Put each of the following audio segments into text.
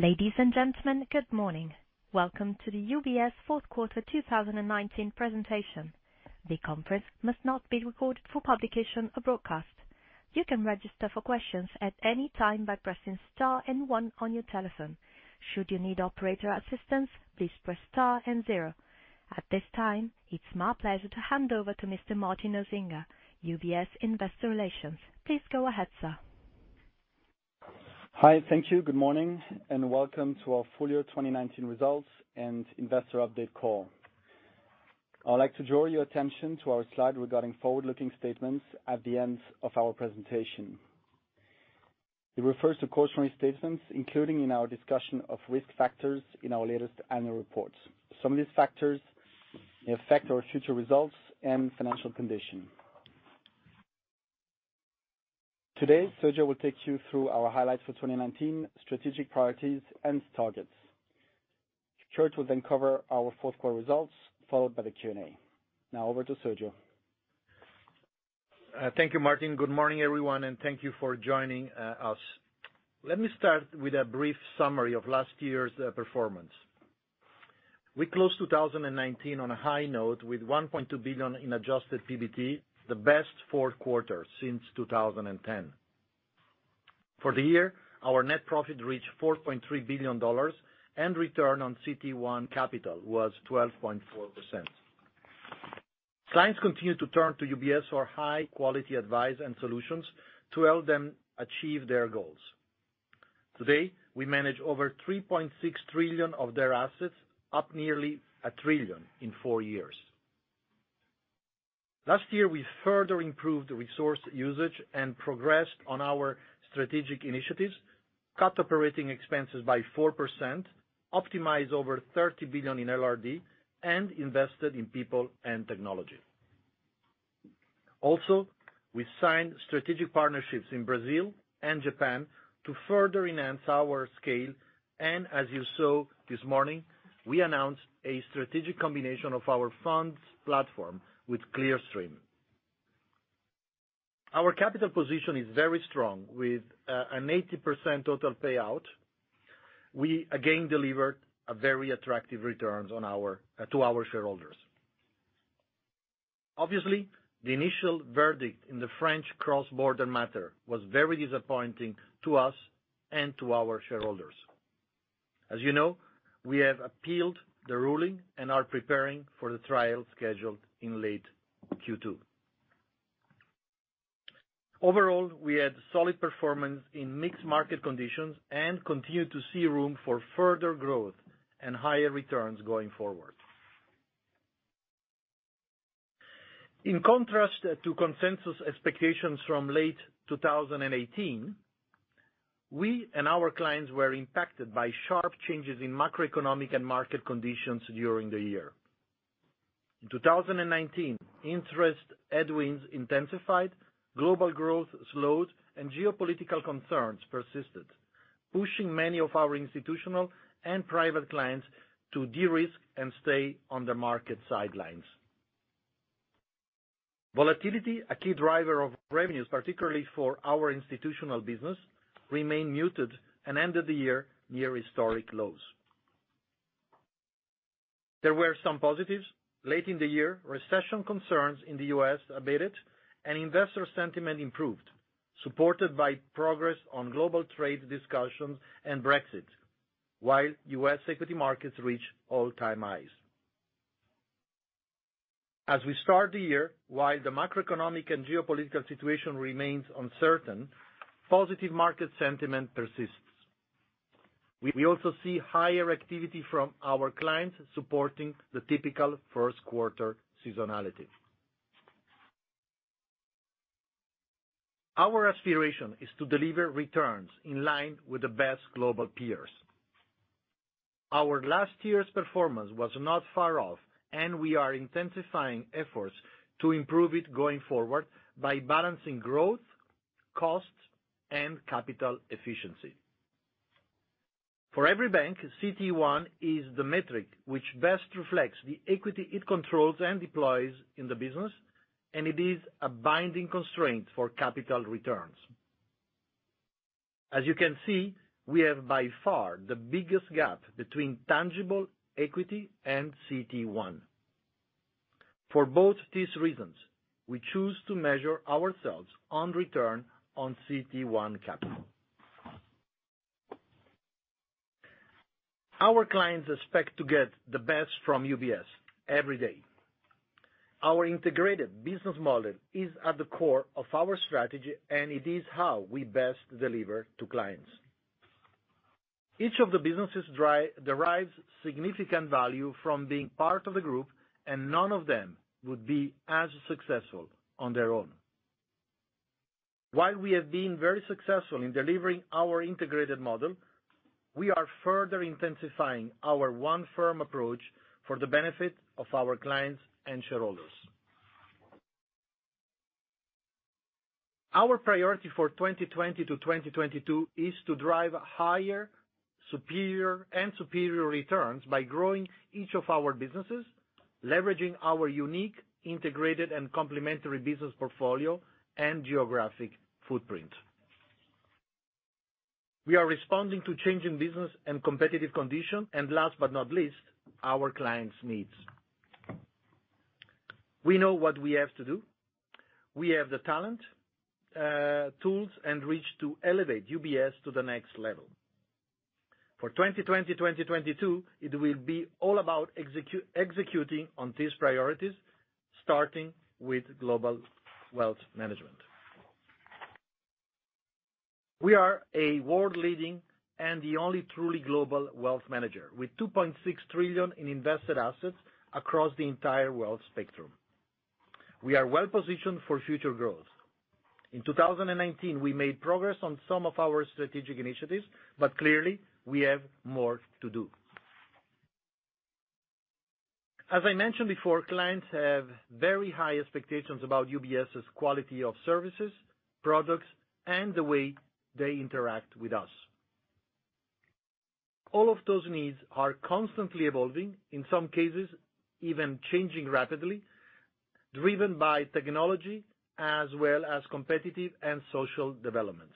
Ladies and gentlemen, good morning. Welcome to the UBS fourth quarter 2019 presentation. The conference must not be recorded for publication or broadcast. You can register for questions at any time by pressing star and one on your telephone. Should you need operator assistance, please press star and zero. At this time, it's my pleasure to hand over to Mr. Martin Osinga, UBS Investor Relations. Please go ahead, sir. Hi. Thank you. Good morning, welcome to our full year 2019 results and investor update call. I'd like to draw your attention to our slide regarding forward-looking statements at the end of our presentation. It refers to cautionary statements, including in our discussion of risk factors in our latest annual report. Some of these factors may affect our future results and financial condition. Today, Sergio will take you through our highlights for 2019, strategic priorities, and targets. Kirt will cover our fourth quarter results, followed by the Q&A. Over to Sergio. Thank you, Martin. Good morning, everyone, and thank you for joining us. Let me start with a brief summary of last year's performance. We closed 2019 on a high note with $1.2 billion in adjusted PBT, the best fourth quarter since 2010. For the year, our net profit reached $4.3 billion, and return on CET1 capital was 12.4%. Clients continue to turn to UBS for high-quality advice and solutions to help them achieve their goals. Today, we manage over $3.6 trillion of their assets, up nearly $1 trillion in four years. Last year, we further improved resource usage and progressed on our strategic initiatives, cut operating expenses by 4%, optimized over $30 billion in LRD, and invested in people and technology. Also, we signed strategic partnerships in Brazil and Japan to further enhance our scale. As you saw this morning, we announced a strategic combination of our funds platform with Clearstream. Our capital position is very strong. With an 80% total payout, we again delivered a very attractive returns to our shareholders. Obviously, the initial verdict in the French cross-border matter was very disappointing to us and to our shareholders. As you know, we have appealed the ruling and are preparing for the trial scheduled in late Q2. Overall, we had solid performance in mixed market conditions and continue to see room for further growth and higher returns going forward. In contrast to consensus expectations from late 2018, we and our clients were impacted by sharp changes in macroeconomic and market conditions during the year. In 2019, interest headwinds intensified, global growth slowed, and geopolitical concerns persisted, pushing many of our institutional and private clients to de-risk and stay on the market sidelines. Volatility, a key driver of revenues, particularly for our institutional business, remained muted and ended the year near historic lows. There were some positives. Late in the year, recession concerns in the U.S. abated, and investor sentiment improved, supported by progress on global trade discussions and Brexit, while U.S. equity markets reached all-time highs. We start the year, while the macroeconomic and geopolitical situation remains uncertain, positive market sentiment persists. We also see higher activity from our clients supporting the typical first quarter seasonality. Our aspiration is to deliver returns in line with the best global peers. Our last year's performance was not far off, and we are intensifying efforts to improve it going forward by balancing growth, costs, and capital efficiency. For every bank, CET1 is the metric which best reflects the equity it controls and deploys in the business, and it is a binding constraint for capital returns. As you can see, we have by far the biggest gap between tangible equity and CET1. For both these reasons, we choose to measure ourselves on return on CET1 capital. Our clients expect to get the best from UBS every day. Our integrated business model is at the core of our strategy, and it is how we best deliver to clients. Each of the businesses derives significant value from being part of the group, and none of them would be as successful on their own. While we have been very successful in delivering our integrated model, we are further intensifying our one-firm approach for the benefit of our clients and shareholders. Our priority for 2020-2022 is to drive higher and superior returns by growing each of our businesses, leveraging our unique, integrated, and complementary business portfolio and geographic footprint. We are responding to changing business and competitive conditions, and last but not least, our clients' needs. We know what we have to do. We have the talent, tools, and reach to elevate UBS to the next level. For 2020-2022, it will be all about executing on these priorities, starting with Global Wealth Management. We are a world-leading and the only truly global wealth manager, with $2.6 trillion in invested assets across the entire wealth spectrum. We are well-positioned for future growth. In 2019, we made progress on some of our strategic initiatives, but clearly, we have more to do. As I mentioned before, clients have very high expectations about UBS's quality of services, products, and the way they interact with us. All of those needs are constantly evolving, in some cases even changing rapidly, driven by technology as well as competitive and social developments.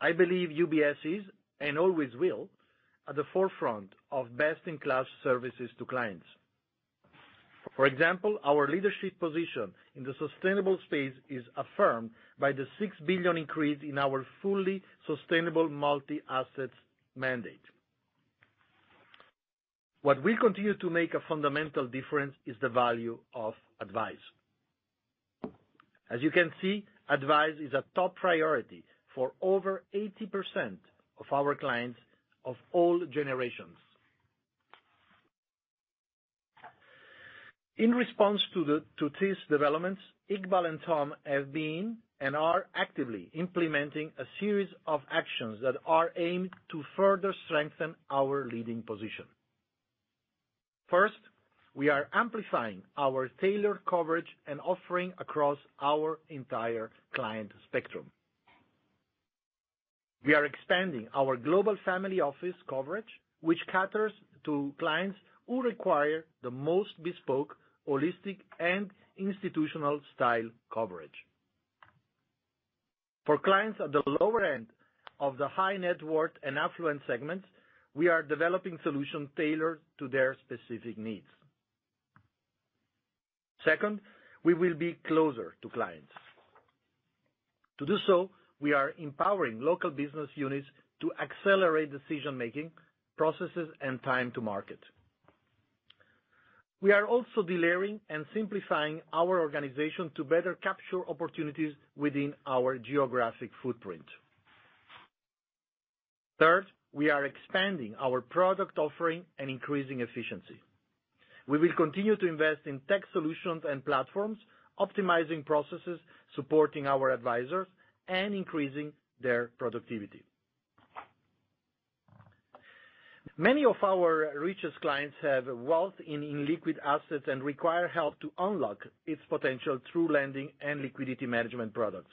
I believe UBS is, and always will, be at the forefront of best-in-class services to clients. For example, our leadership position in the sustainable space is affirmed by the $6 billion increase in our fully sustainable multi-asset mandate. What we continue to make a fundamental difference is the value of advice. As you can see, advice is a top priority for over 80% of our clients of all generations. In response to these developments, Iqbal and Tom have been, and are, actively implementing a series of actions that are aimed to further strengthen our leading position. First, we are amplifying our tailored coverage and offering across our entire client spectrum. We are expanding our global family office coverage, which caters to clients who require the most bespoke, holistic, and institutional-style coverage. For clients at the lower end of the high net worth and affluent segments, we are developing solutions tailored to their specific needs. Second, we will be closer to clients. To do so, we are empowering local business units to accelerate decision-making processes and time to market. We are also delivering and simplifying our organization to better capture opportunities within our geographic footprint. Third, we are expanding our product offering and increasing efficiency. We will continue to invest in tech solutions and platforms, optimizing processes, supporting our advisors, and increasing their productivity. Many of our richest clients have wealth in illiquid assets and require help to unlock its potential through lending and liquidity management products.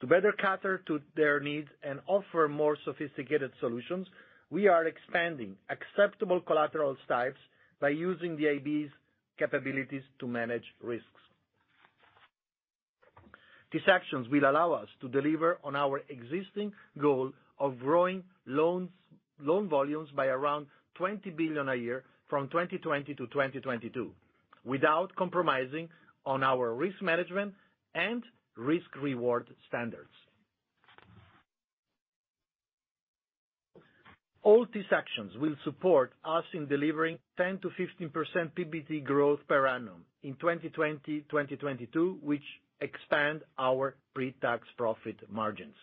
To better cater to their needs and offer more sophisticated solutions, we are expanding acceptable collateral styles by using the IB's capabilities to manage risks. These actions will allow us to deliver on our existing goal of growing loan volumes by around $20 billion a year from 2020 to 2022, without compromising on our risk management and risk-reward standards. All these actions will support us in delivering 10%-15% PBT growth per annum in 2020-2022, which expands our pre-tax profit margins.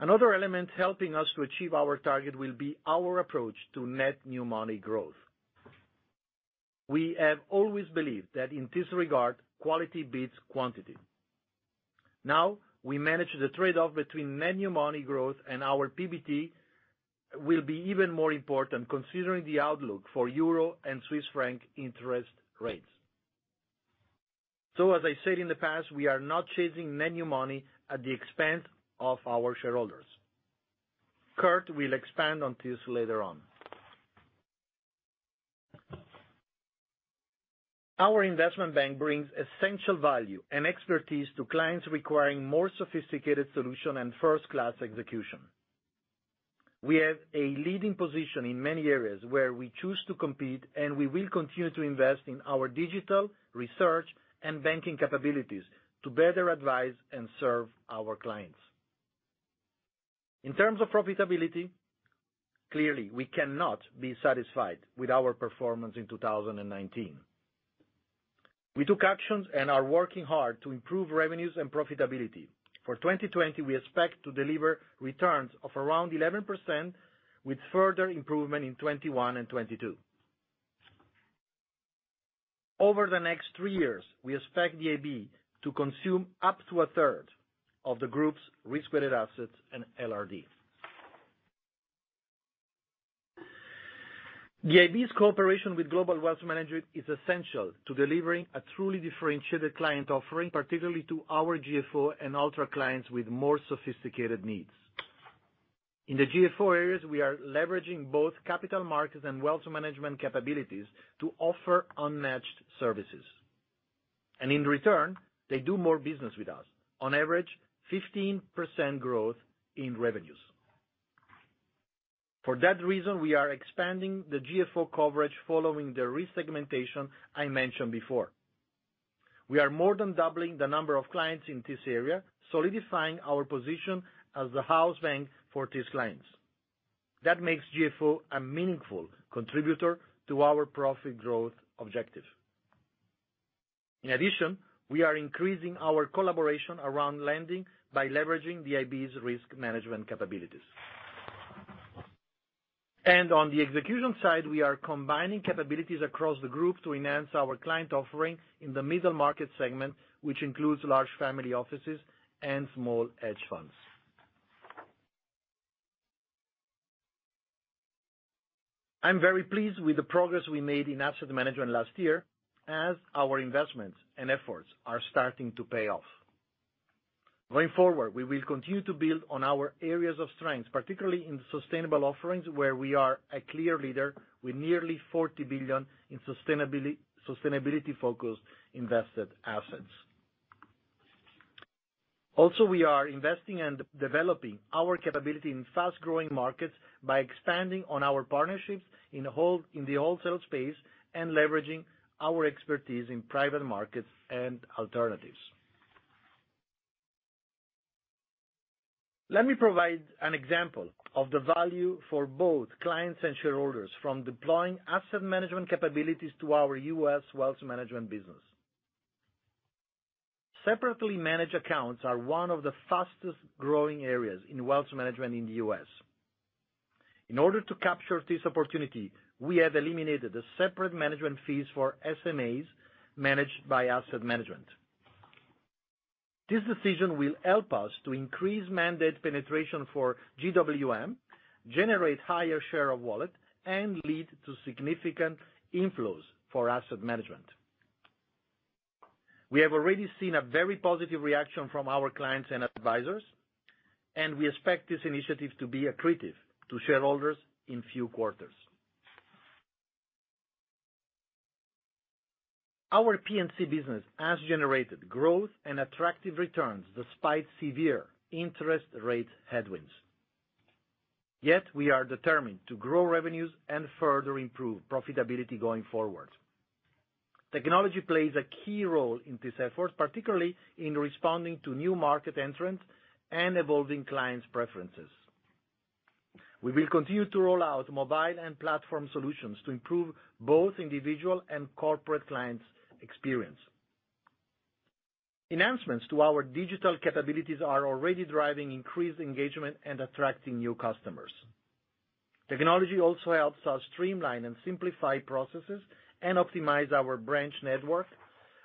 Another element helping us to achieve our target will be our approach to net new money growth. We have always believed that in this regard, quality beats quantity. Now, we manage the trade-off between net new money growth, and our PBT will be even more important considering the outlook for euro and Swiss franc interest rates. As I said in the past, we are not chasing net new money at the expense of our shareholders. Kirt will expand on this later on. Our Investment Bank brings essential value and expertise to clients requiring more sophisticated solutions and first-class execution. We have a leading position in many areas where we choose to compete, and we will continue to invest in our digital, research, and banking capabilities to better advise and serve our clients. In terms of profitability, clearly, we cannot be satisfied with our performance in 2019. We took actions and are working hard to improve revenues and profitability. For 2020, we expect to deliver returns of around 11% with further improvement in 2021 and 2022. Over the next three years, we expect the IB to consume up to a third of the group's risk-weighted assets and LRD. The IB's cooperation with Global Wealth Management is essential to delivering a truly differentiated client offering, particularly to our GFO and ultra clients with more sophisticated needs. In the GFO areas, we are leveraging both capital markets and wealth management capabilities to offer unmatched services. In return, they do more business with us. On average, 15% growth in revenues. For that reason, we are expanding the GFO coverage following the resegmentation I mentioned before. We are more than doubling the number of clients in this area, solidifying our position as the house bank for these clients. That makes GFO a meaningful contributor to our profit growth objective. In addition, we are increasing our collaboration around lending by leveraging the IB's risk management capabilities. On the execution side, we are combining capabilities across the group to enhance our client offering in the middle market segment, which includes large family offices and small hedge funds. I am very pleased with the progress we made in asset management last year as our investments and efforts are starting to pay off. Going forward, we will continue to build on our areas of strength, particularly in sustainable offerings, where we are a clear leader with nearly $40 billion in sustainability-focused invested assets. We are investing and developing our capability in fast-growing markets by expanding on our partnerships in the wholesale space and leveraging our expertise in private markets and alternatives. Let me provide an example of the value for both clients and shareholders from deploying asset management capabilities to our U.S. wealth management business. Separately managed accounts are one of the fastest-growing areas in wealth management in the U.S. In order to capture this opportunity, we have eliminated the separate management fees for SMAs managed by asset management. This decision will help us to increase mandate penetration for GWM, generate higher share of wallet, and lead to significant inflows for asset management. We have already seen a very positive reaction from our clients and advisors, and we expect this initiative to be accretive to shareholders in few quarters. Our P&C business has generated growth and attractive returns despite severe interest rate headwinds. We are determined to grow revenues and further improve profitability going forward. Technology plays a key role in this effort, particularly in responding to new market entrants and evolving clients' preferences. We will continue to roll out mobile and platform solutions to improve both individual and corporate clients' experience. Enhancements to our digital capabilities are already driving increased engagement and attracting new customers. Technology also helps us streamline and simplify processes and optimize our branch network,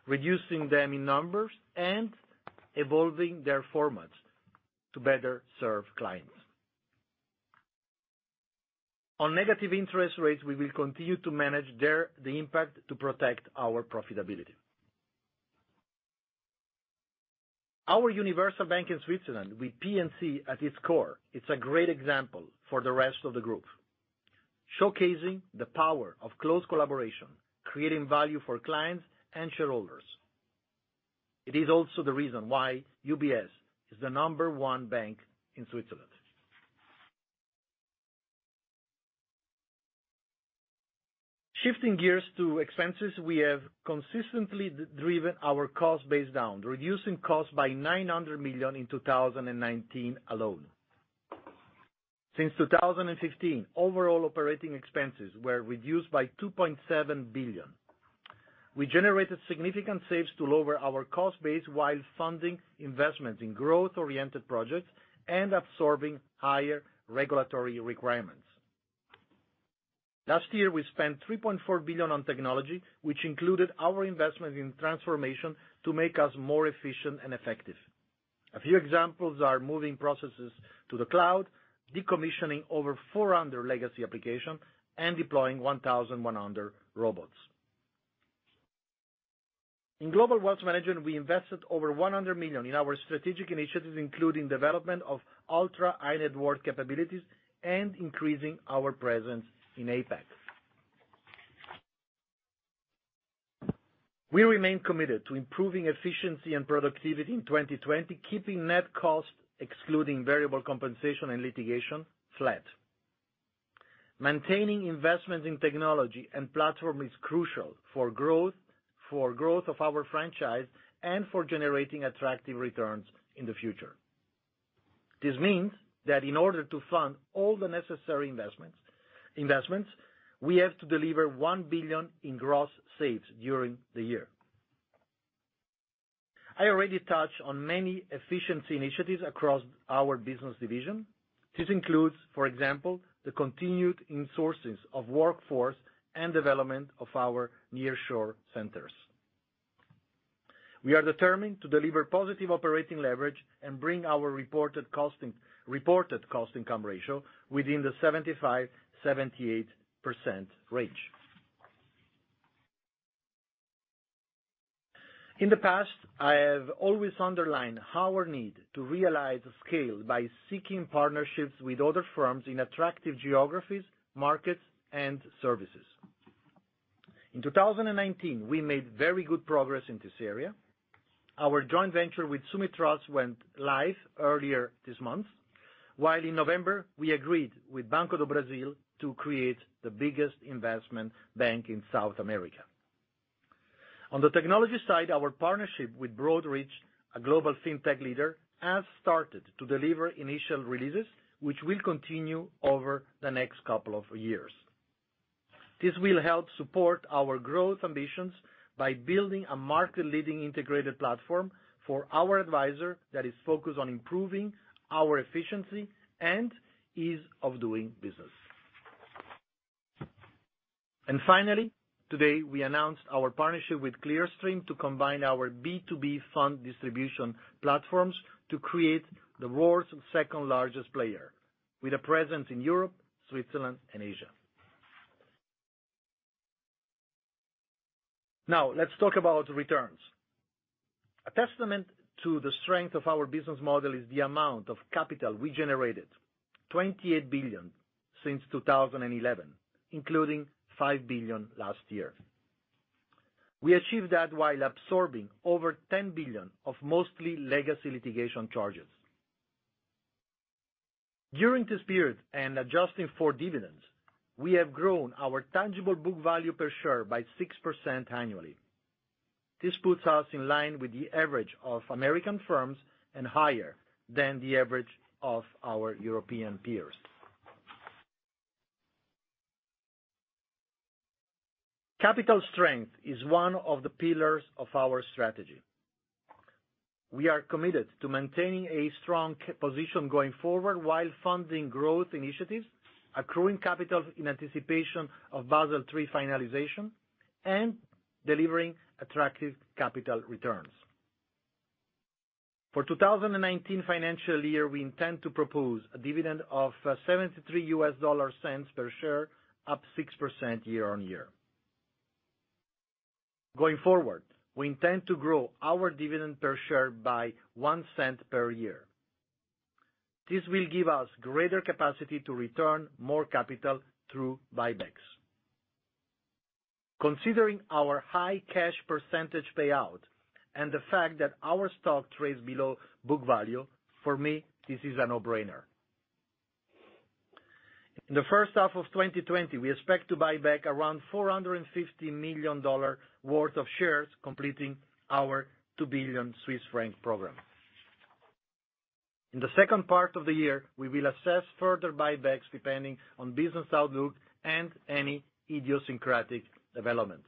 reducing them in numbers and evolving their formats to better serve clients. On negative interest rates, we will continue to manage the impact to protect our profitability. Our Universal Bank in Switzerland, with P&C at its core, is a great example for the rest of the group, showcasing the power of close collaboration, creating value for clients and shareholders. It is also the reason why UBS is the number one bank in Switzerland. Shifting gears to expenses, we have consistently driven our cost base down, reducing costs by $900 million in 2019 alone. Since 2016, overall operating expenses were reduced by $2.7 billion. We generated significant saves to lower our cost base while funding investment in growth-oriented projects and absorbing higher regulatory requirements. Last year, we spent 3.4 billion on technology, which included our investment in transformation to make us more efficient and effective. A few examples are moving processes to the cloud, decommissioning over 400 legacy applications, and deploying 1,100 robots. In Global Wealth Management, we invested over 100 million in our strategic initiatives, including development of ultra high net worth capabilities and increasing our presence in APAC. We remain committed to improving efficiency and productivity in 2020, keeping net costs, excluding variable compensation and litigation, flat. Maintaining investments in technology and platform is crucial for growth of our franchise and for generating attractive returns in the future. This means that in order to fund all the necessary investments, we have to deliver 1 billion in gross saves during the year. I already touched on many efficiency initiatives across our business division. This includes, for example, the continued insourcing of workforce and development of our nearshore centers. We are determined to deliver positive operating leverage and bring our reported cost-income ratio within the 75%-78% range. In the past, I have always underlined our need to realize scale by seeking partnerships with other firms in attractive geographies, markets, and services. In 2019, we made very good progress in this area. Our joint venture with Sumitomo went live earlier this month, while in November, we agreed with Banco do Brasil to create the biggest investment bank in South America. On the technology side, our partnership with Broadridge, a global fintech leader, has started to deliver initial releases, which will continue over the next couple of years. This will help support our growth ambitions by building a market-leading integrated platform for our advisor that is focused on improving our efficiency and ease of doing business. Finally, today, we announced our partnership with Clearstream to combine our B2B fund distribution platforms to create the world's second-largest player with a presence in Europe, Switzerland, and Asia. Let's talk about returns. A testament to the strength of our business model is the amount of capital we generated, $28 billion since 2011, including $5 billion last year. We achieved that while absorbing over $10 billion of mostly legacy litigation charges. During this period and adjusting for dividends, we have grown our tangible book value per share by 6% annually. This puts us in line with the average of American firms and higher than the average of our European peers. Capital strength is one of the pillars of our strategy. We are committed to maintaining a strong position going forward while funding growth initiatives, accruing capital in anticipation of Basel III finalization, and delivering attractive capital returns. For 2019 financial year, we intend to propose a dividend of $0.73 per share, up 6% year-on-year. Going forward, we intend to grow our dividend per share by $0.01 per year. This will give us greater capacity to return more capital through buybacks. Considering our high cash percentage payout and the fact that our stock trades below book value, for me, this is a no-brainer. In the first half of 2020, we expect to buy back around $450 million worth of shares, completing our 2 billion Swiss franc program. In the second part of the year, we will assess further buybacks depending on business outlook and any idiosyncratic development.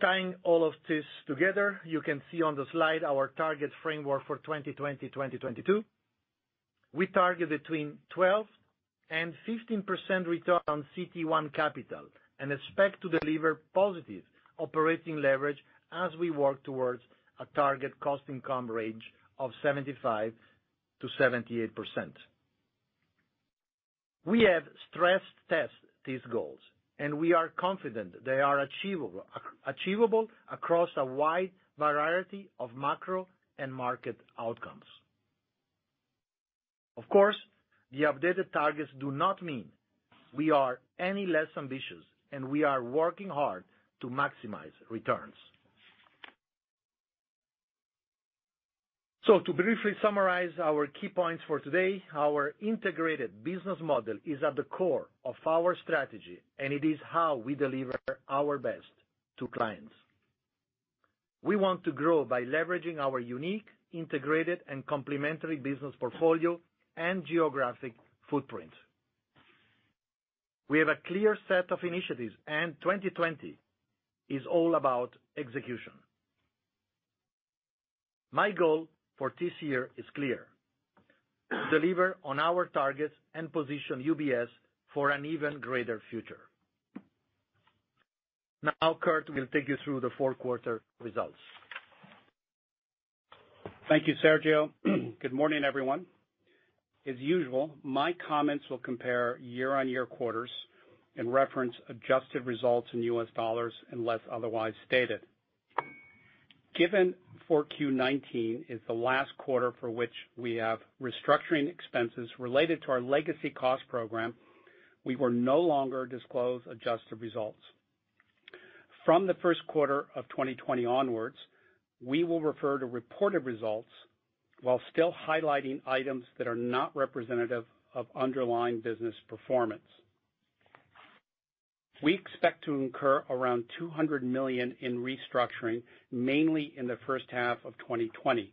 Tying all of this together, you can see on the slide our target framework for 2020, 2022. We target between 12% and 15% return on CET1 capital and expect to deliver positive operating leverage as we work towards a target cost-income range of 75% to 78%. We have stress tested these goals, we are confident they are achievable across a wide variety of macro and market outcomes. Of course, the updated targets do not mean we are any less ambitious, we are working hard to maximize returns. To briefly summarize our key points for today, our integrated business model is at the core of our strategy, and it is how we deliver our best to clients. We want to grow by leveraging our unique, integrated, and complementary business portfolio and geographic footprint. We have a clear set of initiatives, 2020 is all about execution. My goal for this year is clear. Deliver on our targets and position UBS for an even greater future. Now, Kurt will take you through the fourth quarter results. Thank you, Sergio. Good morning, everyone. As usual, my comments will compare year-on-year quarters and reference adjusted results in US dollars unless otherwise stated. Given that 4Q19 is the last quarter for which we have restructuring expenses related to our legacy cost program, we will no longer disclose adjusted results. From the first quarter of 2020 onwards, we will refer to reported results while still highlighting items that are not representative of underlying business performance. We expect to incur around $200 million in restructuring, mainly in the first half of 2020,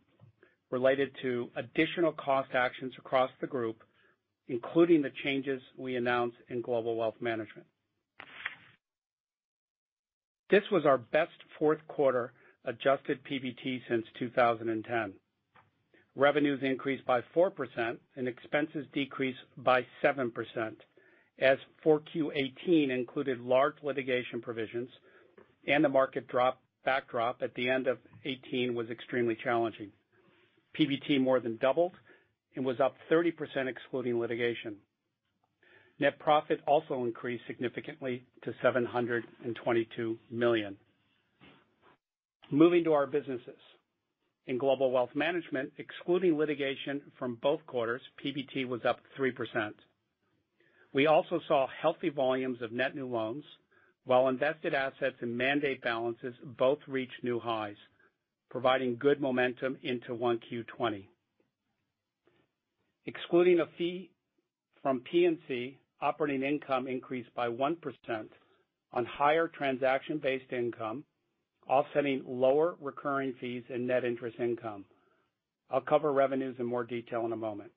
related to additional cost actions across the group, including the changes we announced in Global Wealth Management. This was our best fourth quarter adjusted PBT since 2010. Revenues increased by 4% and expenses decreased by 7%, as 4Q18 included large litigation provisions and the market backdrop at the end of 2018 was extremely challenging. PBT more than doubled and was up 30% excluding litigation. Net profit also increased significantly to $722 million. Moving to our businesses. In Global Wealth Management, excluding litigation from both quarters, PBT was up 3%. We also saw healthy volumes of net new loans, while invested assets and mandate balances both reached new highs, providing good momentum into 1Q20. Excluding a fee from P&C, operating income increased by 1% on higher transaction-based income, offsetting lower recurring fees and net interest income. I'll cover revenues in more detail in a moment.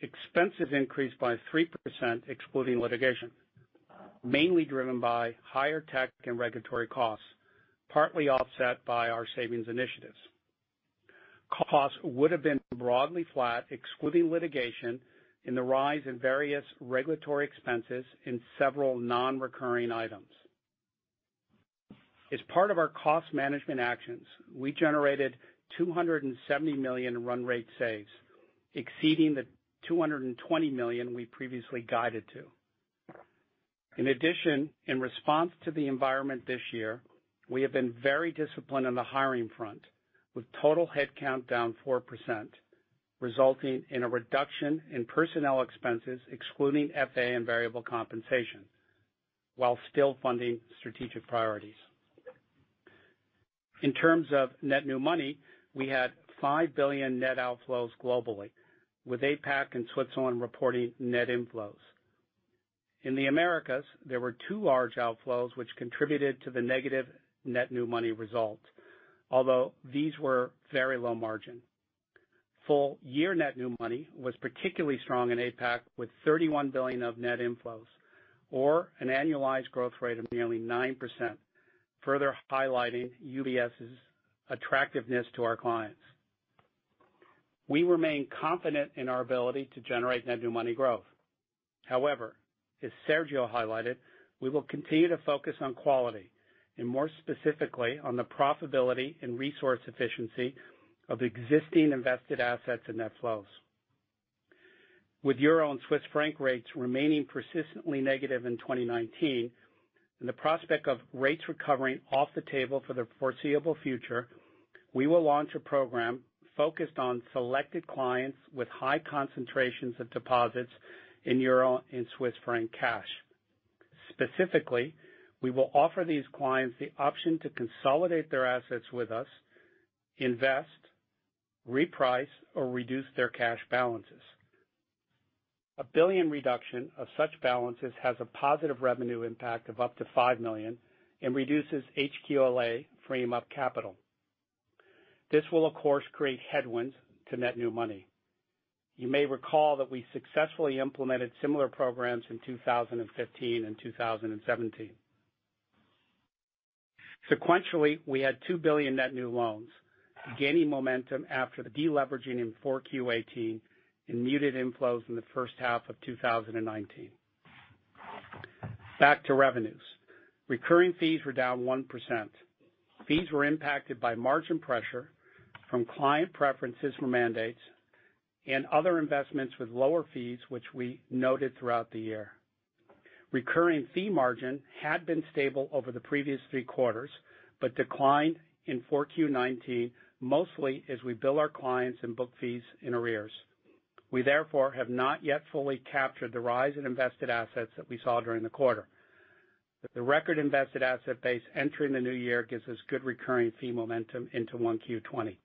Expenses increased by 3% excluding litigation, mainly driven by higher tech and regulatory costs, partly offset by our savings initiatives. Costs would have been broadly flat excluding litigation and the rise in various regulatory expenses in several non-recurring items. As part of our cost management actions, we generated $270 million in run rate saves, exceeding the $220 million we previously guided to. In response to the environment this year, we have been very disciplined on the hiring front, with total headcount down 4%, resulting in a reduction in personnel expenses excluding FA and variable compensation, while still funding strategic priorities. In terms of net new money, we had $5 billion net outflows globally, with APAC and Switzerland reporting net inflows. In the Americas, there were two large outflows which contributed to the negative net new money result. These were very low margin. Full year net new money was particularly strong in APAC, with $31 billion of net inflows, or an annualized growth rate of nearly 9%, further highlighting UBS's attractiveness to our clients. We remain confident in our ability to generate net new money growth. However, as Sergio highlighted, we will continue to focus on quality, and more specifically, on the profitability and resource efficiency of existing invested assets and net flows. With euro and Swiss franc rates remaining persistently negative in 2019 and the prospect of rates recovering off the table for the foreseeable future, we will launch a program focused on selected clients with high concentrations of deposits in euro and Swiss franc cash. Specifically, we will offer these clients the option to consolidate their assets with us, invest, reprice, or reduce their cash balances. A $1 billion reduction of such balances has a positive revenue impact of up to $5 million and reduces HQLA freed-up capital. This will, of course, create headwinds to net new money. You may recall that we successfully implemented similar programs in 2015 and 2017. Sequentially, we had 2 billion net new loans, gaining momentum after the de-leveraging in 4Q18 and muted inflows in the first half of 2019. Back to revenues. Recurring fees were down 1%. Fees were impacted by margin pressure from client preferences for mandates and other investments with lower fees, which we noted throughout the year. Recurring fee margin had been stable over the previous three quarters, but declined in 4Q19, mostly as we bill our clients and book fees in arrears. We therefore have not yet fully captured the rise in invested assets that we saw during the quarter. The record invested asset base entering the new year gives us good recurring fee momentum into 1Q20.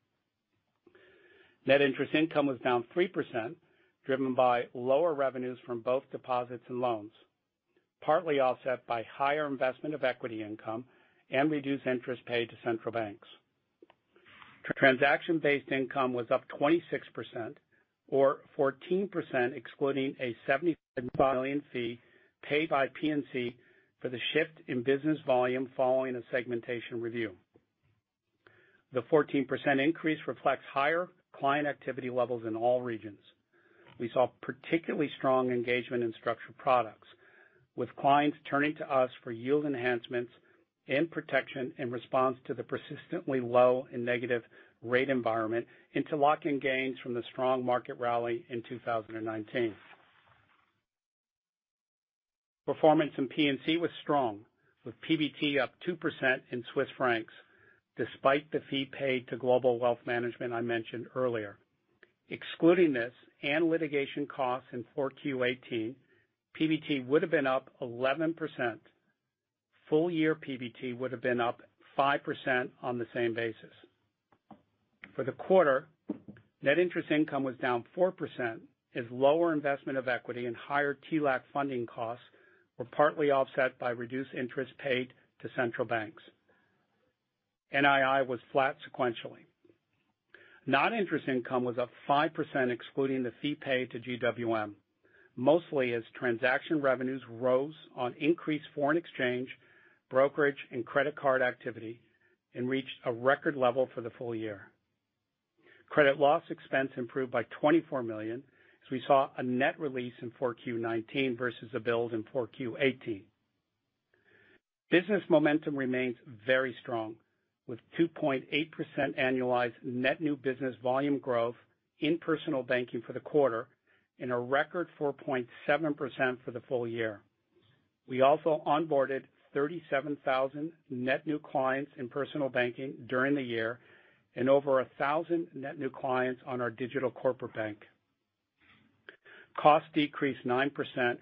Net interest income was down 3%, driven by lower revenues from both deposits and loans, partly offset by higher investment of equity income and reduced interest paid to central banks. Transaction-based income was up 26%, or 14% excluding a 70 million fee paid by P&C for the shift in business volume following a segmentation review. The 14% increase reflects higher client activity levels in all regions. We saw particularly strong engagement in structured products, with clients turning to us for yield enhancements and protection in response to the persistently low and negative rate environment and to lock in gains from the strong market rally in 2019. Performance in P&C was strong, with PBT up 2% in CHF, despite the fee paid to Global Wealth Management I mentioned earlier. Excluding this and litigation costs in 4Q 2018, PBT would've been up 11%. Full year PBT would've been up 5% on the same basis. For the quarter, net interest income was down 4% as lower investment of equity and higher TLAC funding costs were partly offset by reduced interest paid to central banks. NII was flat sequentially. Non-interest income was up 5% excluding the fee paid to GWM. Mostly as transaction revenues rose on increased foreign exchange, brokerage, and credit card activity, and reached a record level for the full year. Credit loss expense improved by 24 million as we saw a net release in 4Q19 versus a build in 4Q18. Business momentum remains very strong, with 2.8% annualized net new business volume growth in personal banking for the quarter, and a record 4.7% for the full year. We also onboarded 37,000 net new clients in personal banking during the year and over 1,000 net new clients on our digital corporate bank. Costs decreased 9%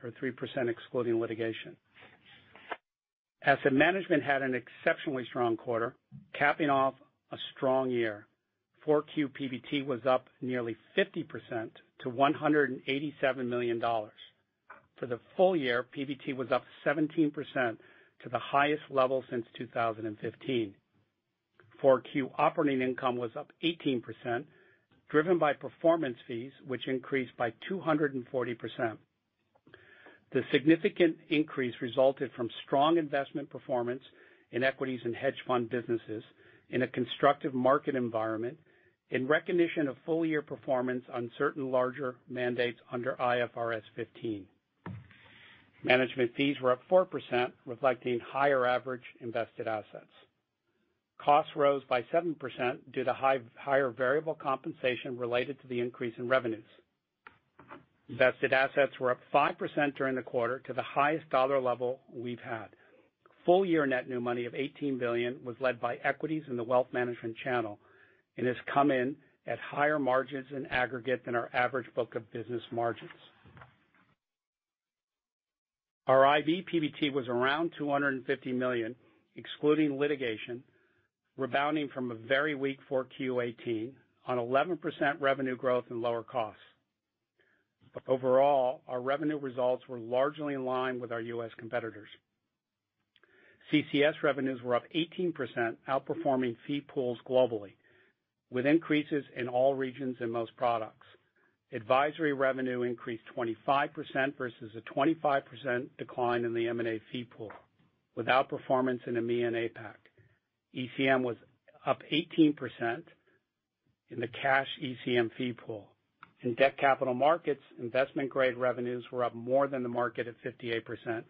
or 3% excluding litigation. Asset Management had an exceptionally strong quarter, capping off a strong year. 4Q PBT was up nearly 50% to $187 million. For the full year, PBT was up 17% to the highest level since 2015. 4Q operating income was up 18%, driven by performance fees, which increased by 240%. The significant increase resulted from strong investment performance in equities and hedge fund businesses in a constructive market environment, in recognition of full-year performance on certain larger mandates under IFRS 15. Management fees were up 4%, reflecting higher average invested assets. Costs rose by 7% due to higher variable compensation related to the increase in revenues. Invested assets were up 5% during the quarter to the highest dollar level we've had. Full year net new money of 18 billion was led by equities in the wealth management channel and has come in at higher margins in aggregate than our average book of business margins. Our IB PBT was around 250 million, excluding litigation, rebounding from a very weak four Q18 on 11% revenue growth and lower costs. Overall, our revenue results were largely in line with our U.S. competitors. CCS revenues were up 18%, outperforming fee pools globally, with increases in all regions and most products. Advisory revenue increased 25% versus a 25% decline in the M&A fee pool, with outperformance in EMEA and APAC. ECM was up 18% in the cash ECM fee pool. In debt capital markets, investment-grade revenues were up more than the market at 58%,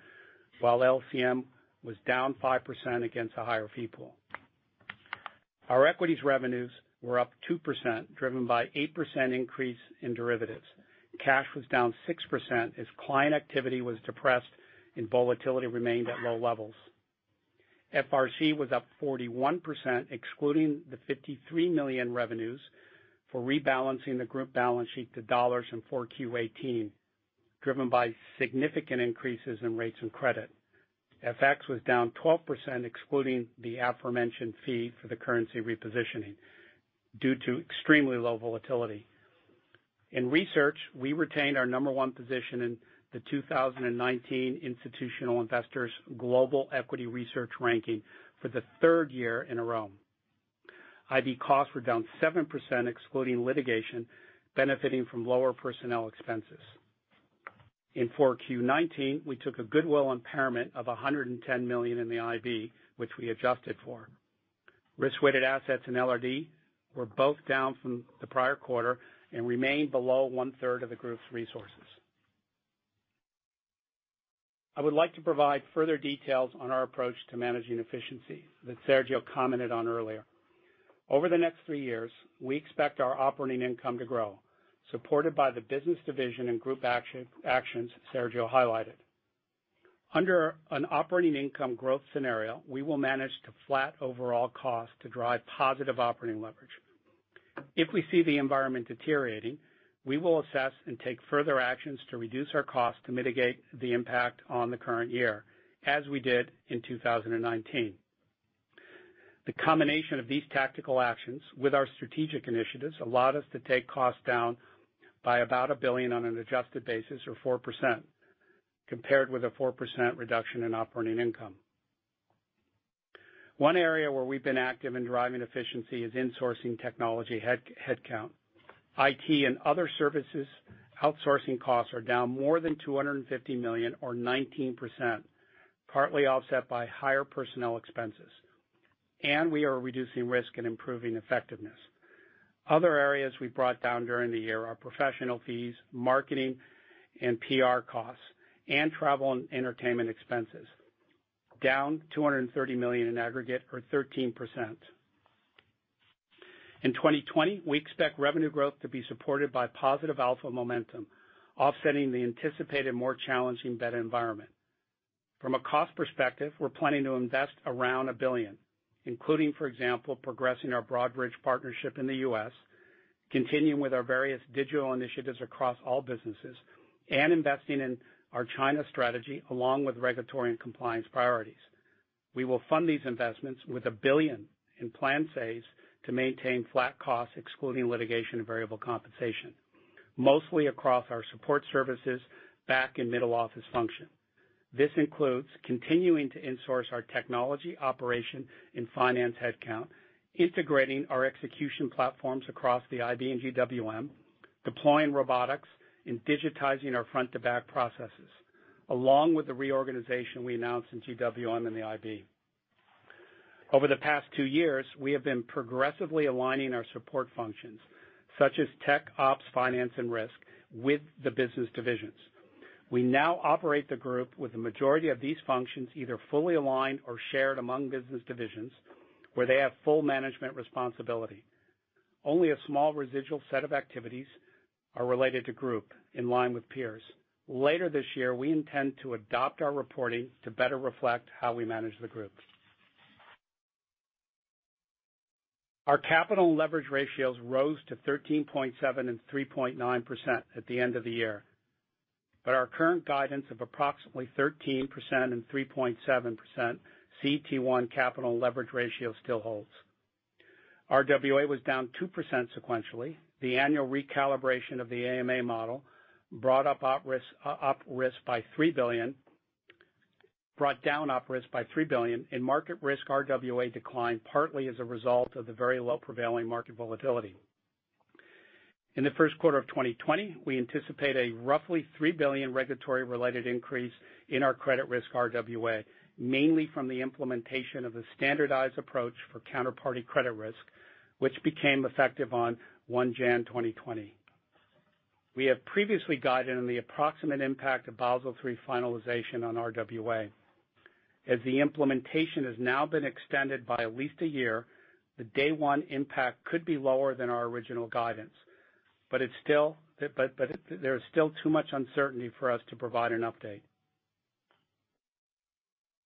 while LCM was down 5% against a higher fee pool. Our equities revenues were up 2%, driven by 8% increase in derivatives. Cash was down 6% as client activity was depressed and volatility remained at low levels. FRC was up 41%, excluding the $53 million revenues for rebalancing the group balance sheet to dollars in 4Q18, driven by significant increases in rates and credit. FX was down 12%, excluding the aforementioned fee for the currency repositioning due to extremely low volatility. In research, we retained our number one position in the 2019 Institutional Investor's Global Equity Research Ranking for the third year in a row. IB costs were down 7%, excluding litigation, benefiting from lower personnel expenses. In 4Q19, we took a goodwill impairment of $110 million in the IB, which we adjusted for. Risk-weighted assets and LRD were both down from the prior quarter and remain below one-third of the group's resources. I would like to provide further details on our approach to managing efficiency that Sergio commented on earlier. Over the next three years, we expect our operating income to grow, supported by the business division and group actions Sergio highlighted. Under an operating income growth scenario, we will manage to flat overall costs to drive positive operating leverage. If we see the environment deteriorating, we will assess and take further actions to reduce our cost to mitigate the impact on the current year, as we did in 2019. The combination of these tactical actions with our strategic initiatives allowed us to take costs down by about 1 billion on an adjusted basis or 4%, compared with a 4% reduction in operating income. One area where we've been active in driving efficiency is insourcing technology headcount. IT and other services outsourcing costs are down more than 250 million or 19%, partly offset by higher personnel expenses. We are reducing risk and improving effectiveness. Other areas we brought down during the year are professional fees, marketing, and PR costs, and travel and entertainment expenses. Down 230 million in aggregate or 13%. In 2020, we expect revenue growth to be supported by positive alpha momentum, offsetting the anticipated more challenging beta environment. From a cost perspective, we're planning to invest around 1 billion, including, for example, progressing our Broadridge partnership in the U.S., continuing with our various digital initiatives across all businesses, and investing in our China strategy along with regulatory and compliance priorities. We will fund these investments with 1 billion in planned saves to maintain flat costs, excluding litigation and variable compensation. Mostly across our support services back and middle office function. This includes continuing to insource our technology operation and finance headcount, integrating our execution platforms across the IB and GWM, deploying robotics, and digitizing our front-to-back processes, along with the reorganization we announced in GWM and the IB. Over the past two years, we have been progressively aligning our support functions, such as tech, ops, finance, and risk, with the business divisions. We now operate the group with the majority of these functions, either fully aligned or shared among business divisions, where they have full management responsibility. Only a small residual set of activities are related to group, in line with peers. Later this year, we intend to adopt our reporting to better reflect how we manage the group. Our capital leverage ratios rose to 13.7 and 3.9% at the end of the year. Our current guidance of approximately 13% and 3.7% CET1 capital leverage ratio still holds. RWA was down 2% sequentially. The annual recalibration of the AMA model brought down OpRisk by 3 billion, and market risk RWA declined partly as a result of the very low prevailing market volatility. In the first quarter of 2020, we anticipate a roughly 3 billion regulatory-related increase in our Credit Risk RWA, mainly from the implementation of the standardized approach for Counterparty Credit Risk, which became effective on January 2020. We have previously guided on the approximate impact of Basel III finalization on RWA. As the implementation has now been extended by at least a year, the day one impact could be lower than our original guidance. There is still too much uncertainty for us to provide an update.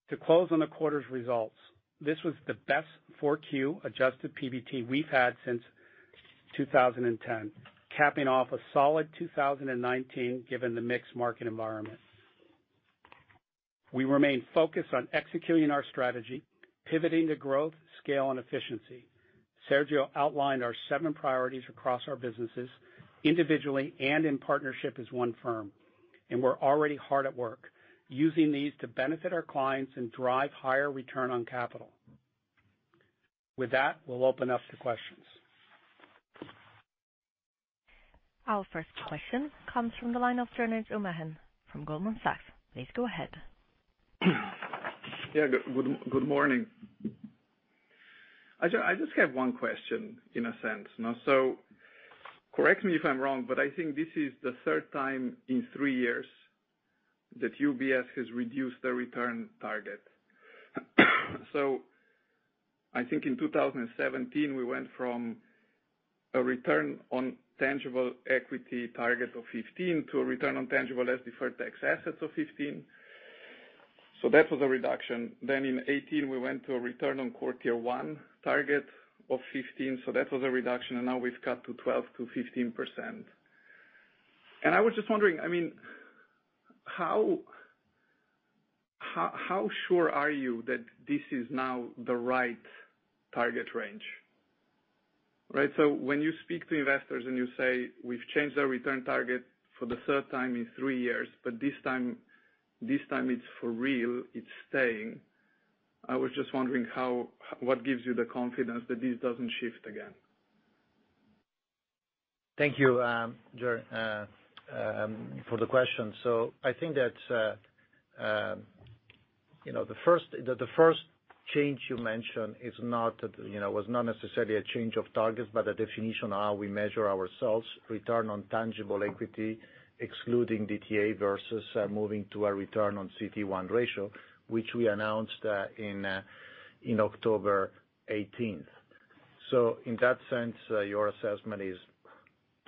To close on the quarter's results, this was the best 4Q adjusted PBT we've had since 2010, capping off a solid 2019 given the mixed market environment. We remain focused on executing our strategy, pivoting to growth, scale, and efficiency. Sergio outlined our 7 priorities across our businesses, individually and in partnership as one firm. We're already hard at work using these to benefit our clients and drive higher return on capital. With that, we'll open up to questions. Our first question comes from the line of Jernej Omahen from Goldman Sachs. Please go ahead. Yeah. Good morning. I just have one question in a sense. Correct me if I'm wrong, but I think this is the third time in three years that UBS has reduced their return target. I think in 2017, we went from a return on tangible equity target of 15% to a return on tangible as deferred tax assets of 15%. That was a reduction. In 2018, we went to a return on core tier 1 target of 15%, that was a reduction, and now we've cut to 12%-15%. I was just wondering, how sure are you that this is now the right target range? Right? When you speak to investors and you say, "We've changed our return target for the third time in three years, but this time it's for real, it's staying," I was just wondering, what gives you the confidence that this doesn't shift again? Thank you, Jernej, for the question. I think that the first change you mentioned was not necessarily a change of target, but a definition of how we measure ourselves, return on tangible equity, excluding DTA versus moving to a return on CET1 ratio, which we announced in October 18th. In that sense, your assessment is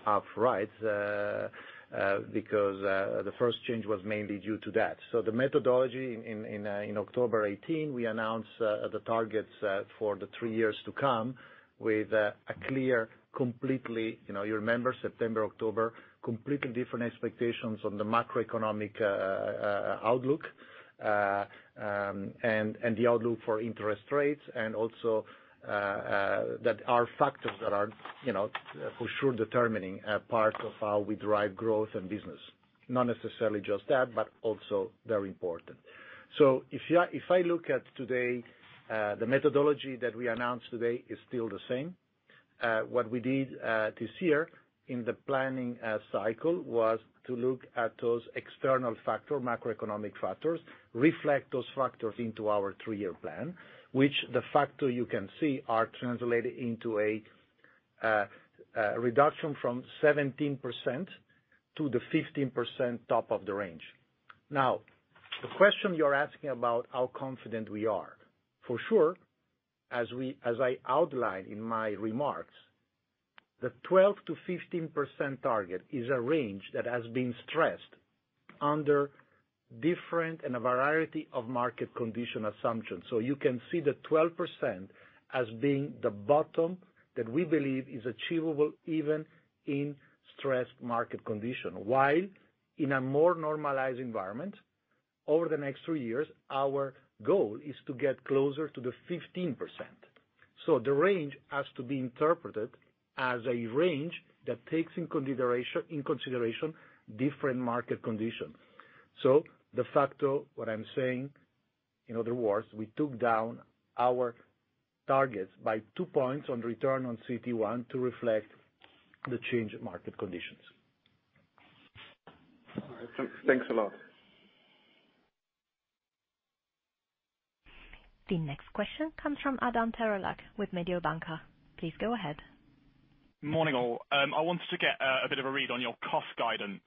half right, because the first change was mainly due to that. The methodology in October 18, we announced the targets for the three years to come with a clear, completely, you remember September, October, completely different expectations on the macroeconomic outlook, and the outlook for interest rates, and also that are factors that are for sure determining a part of how we derive growth and business. Not necessarily just that, but also very important. If I look at today, the methodology that we announced today is still the same. What we did this year in the planning cycle was to look at those external factor, macroeconomic factors, reflect those factors into our three-year plan, which the factor you can see are translated into a reduction from 17% to the 15% top of the range. The question you're asking about how confident we are. For sure, as I outlined in my remarks, the 12%-15% target is a range that has been stressed under different and a variety of market condition assumptions. You can see the 12% as being the bottom that we believe is achievable even in stressed market condition. While in a more normalized environment, over the next three years, our goal is to get closer to the 15%. The range has to be interpreted as a range that takes in consideration different market conditions. De facto, what I’m saying, in other words, we took down our targets by two points on return on CET1 to reflect the change in market conditions. All right. Thanks a lot. The next question comes from Adam Terelak with Mediobanca. Please go ahead. Morning, all. I wanted to get a bit of a read on your cost guidance.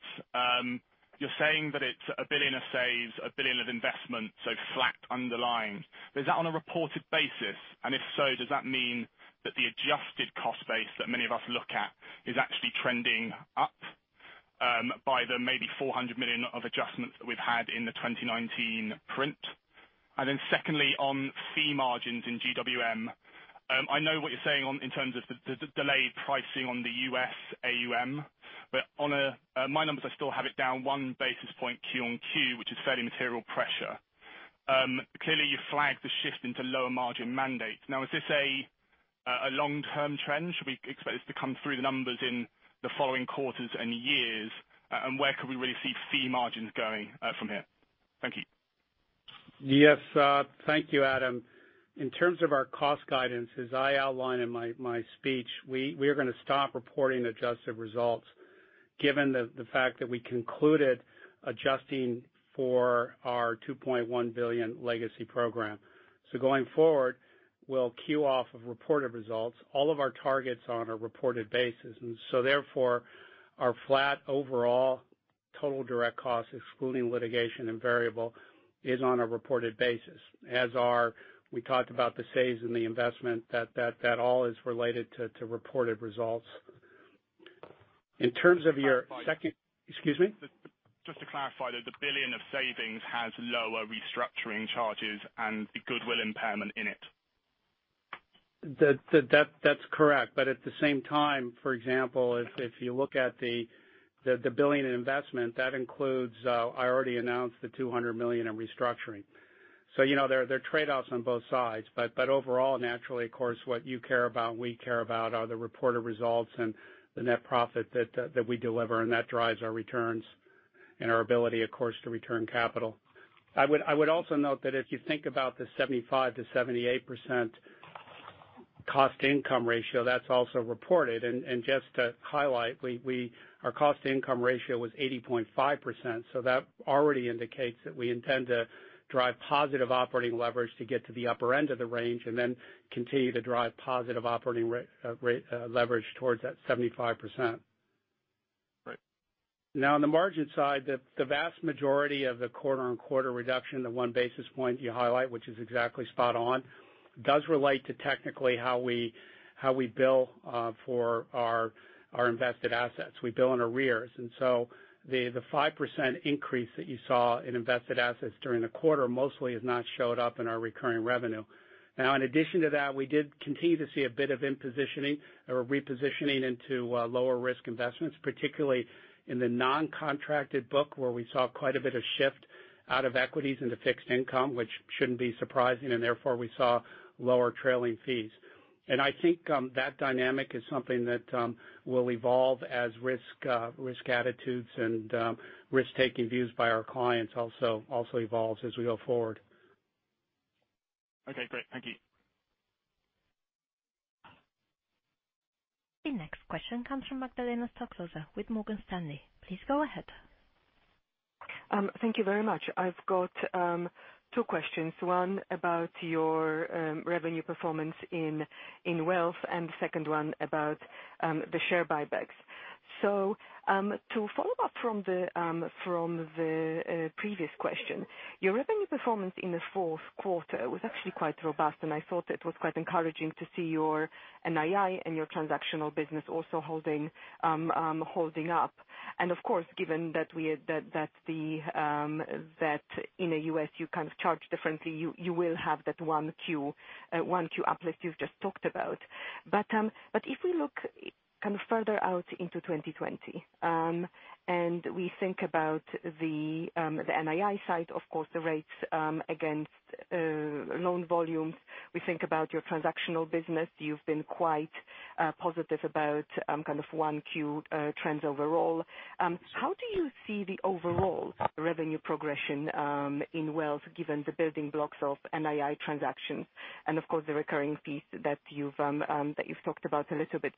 You're saying that it's 1 billion of saves, 1 billion of investment, so flat underlying. Is that on a reported basis? If so, does that mean that the adjusted cost base that many of us look at is actually trending up by the maybe 400 million of adjustments that we've had in the 2019 print? Secondly, on fee margins in GWM, I know what you're saying in terms of the delayed pricing on the U.S. AUM. On my numbers, I still have it down one basis point Q on Q, which is fairly material pressure. Clearly, you flagged the shift into lower margin mandates. Is this a long-term trend? Should we expect this to come through the numbers in the following quarters and years? Where could we really see fee margins going from here? Thank you. Yes. Thank you, Adam. In terms of our cost guidance, as I outlined in my speech, we are going to stop reporting adjusted results given the fact that we concluded adjusting for our 2.1 billion legacy program. Going forward, we'll queue off of reported results, all of our targets on a reported basis. Therefore, our flat overall total direct costs, excluding litigation and variable, is on a reported basis, as are, we talked about the saves and the investment, that all is related to reported results. In terms of your second- Just to clarify. Excuse me? Just to clarify that the billion of savings has lower restructuring charges and the goodwill impairment in it. That's correct. At the same time, for example, if you look at the 1 billion in investment, that includes, I already announced the 200 million in restructuring. There are trade-offs on both sides. Overall, naturally, of course, what you care about, we care about, are the reported results and the net profit that we deliver, and that drives our returns and our ability, of course, to return capital. I would also note that if you think about the 75%-78% cost income ratio, that's also reported. Just to highlight, our cost income ratio was 80.5%, so that already indicates that we intend to drive positive operating leverage to get to the upper end of the range and then continue to drive positive operating leverage towards that 75%. Right. On the margin side, the vast majority of the quarter-on-quarter reduction, the one basis point you highlight, which is exactly spot on, does relate to technically how we bill for our invested assets. We bill in arrears. The 5% increase that you saw in invested assets during the quarter mostly has not showed up in our recurring revenue. In addition to that, we did continue to see a bit of in-positioning or repositioning into lower risk investments, particularly in the non-contracted book, where we saw quite a bit of shift out of equities into fixed income, which shouldn't be surprising, and therefore we saw lower trailing fees. I think that dynamic is something that will evolve as risk attitudes and risk-taking views by our clients also evolves as we go forward. Okay, great. Thank you. The next question comes from Magdalena Stoklosa with Morgan Stanley. Please go ahead. Thank you very much. I've got two questions. One about your revenue performance in wealth, and the second one about the share buybacks. To follow up from the previous question, your revenue performance in the fourth quarter was actually quite robust, and I thought it was quite encouraging to see your NII and your transactional business also holding up. Of course, given that in the U.S. you charge differently, you will have that one Q uplift you've just talked about. If we look further out into 2020, and we think about the NII side, of course, the rates against loan volumes. We think about your transactional business. You've been quite positive about kind of one Q trends overall. How do you see the overall revenue progression in wealth given the building blocks of NII transactions, and of course, the recurring fees that you've talked about a little bit?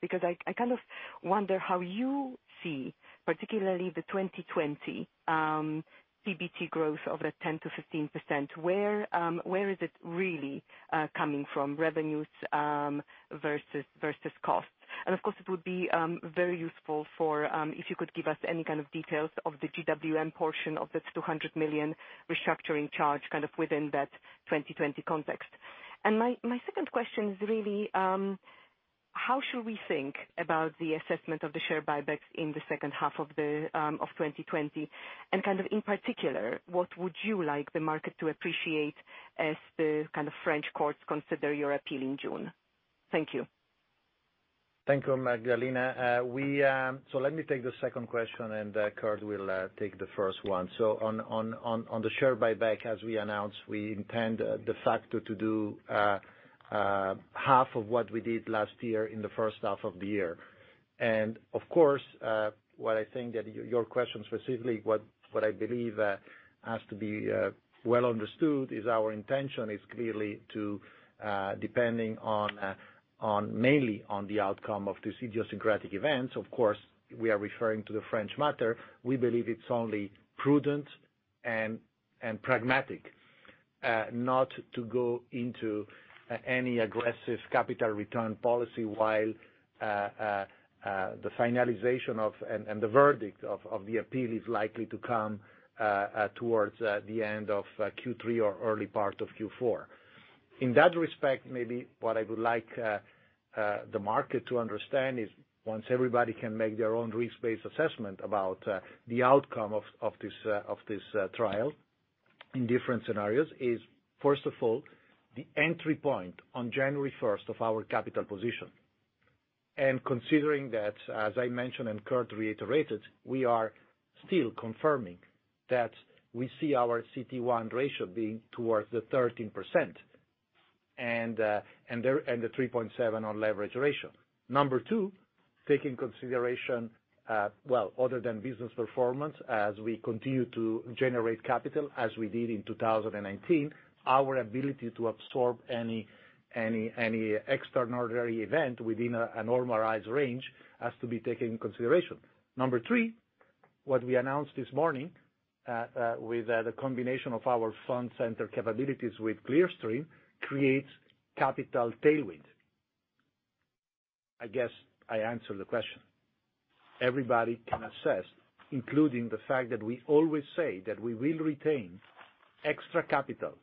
I kind of wonder how you see, particularly the 2020 PBT growth of the 10%-15%. Where is it really coming from, revenues versus costs? Of course, it would be very useful if you could give us any kind of details of the GWM portion of that 200 million restructuring charge within that 2020 context. My second question is really how should we think about the assessment of the share buybacks in the second half of 2020? In particular, what would you like the market to appreciate as the French courts consider your appeal in June? Thank you. Thank you, Magdalena. Let me take the second question and Kirt will take the first one. On the share buyback, as we announced, we intend de facto to do half of what we did last year in the first half of the year. Of course, what I think that your question specifically, what I believe has to be well understood is our intention is clearly to, depending mainly on the outcome of these idiosyncratic events, of course, we are referring to the French Matter, we believe it is only prudent and pragmatic, not to go into any aggressive capital return policy while the finalization and the verdict of the appeal is likely to come towards the end of Q3 or early part of Q4. In that respect, maybe what I would like the market to understand is once everybody can make their own risk-based assessment about the outcome of this trial in different scenarios is, first of all, the entry point on January 1st of our capital position. Considering that, as I mentioned and Kirt reiterated, we are still confirming that we see our CT1 ratio being towards the 13% and the 3.7 on leverage ratio. Number two, take in consideration, well, other than business performance, as we continue to generate capital as we did in 2019, our ability to absorb any extraordinary event within a normalized range has to be taken in consideration. Number three, what we announced this morning, with the combination of our Fondcenter capabilities with Clearstream, creates capital tailwind. I guess I answered the question. Everybody can assess, including the fact that we always say that we will retain extra capital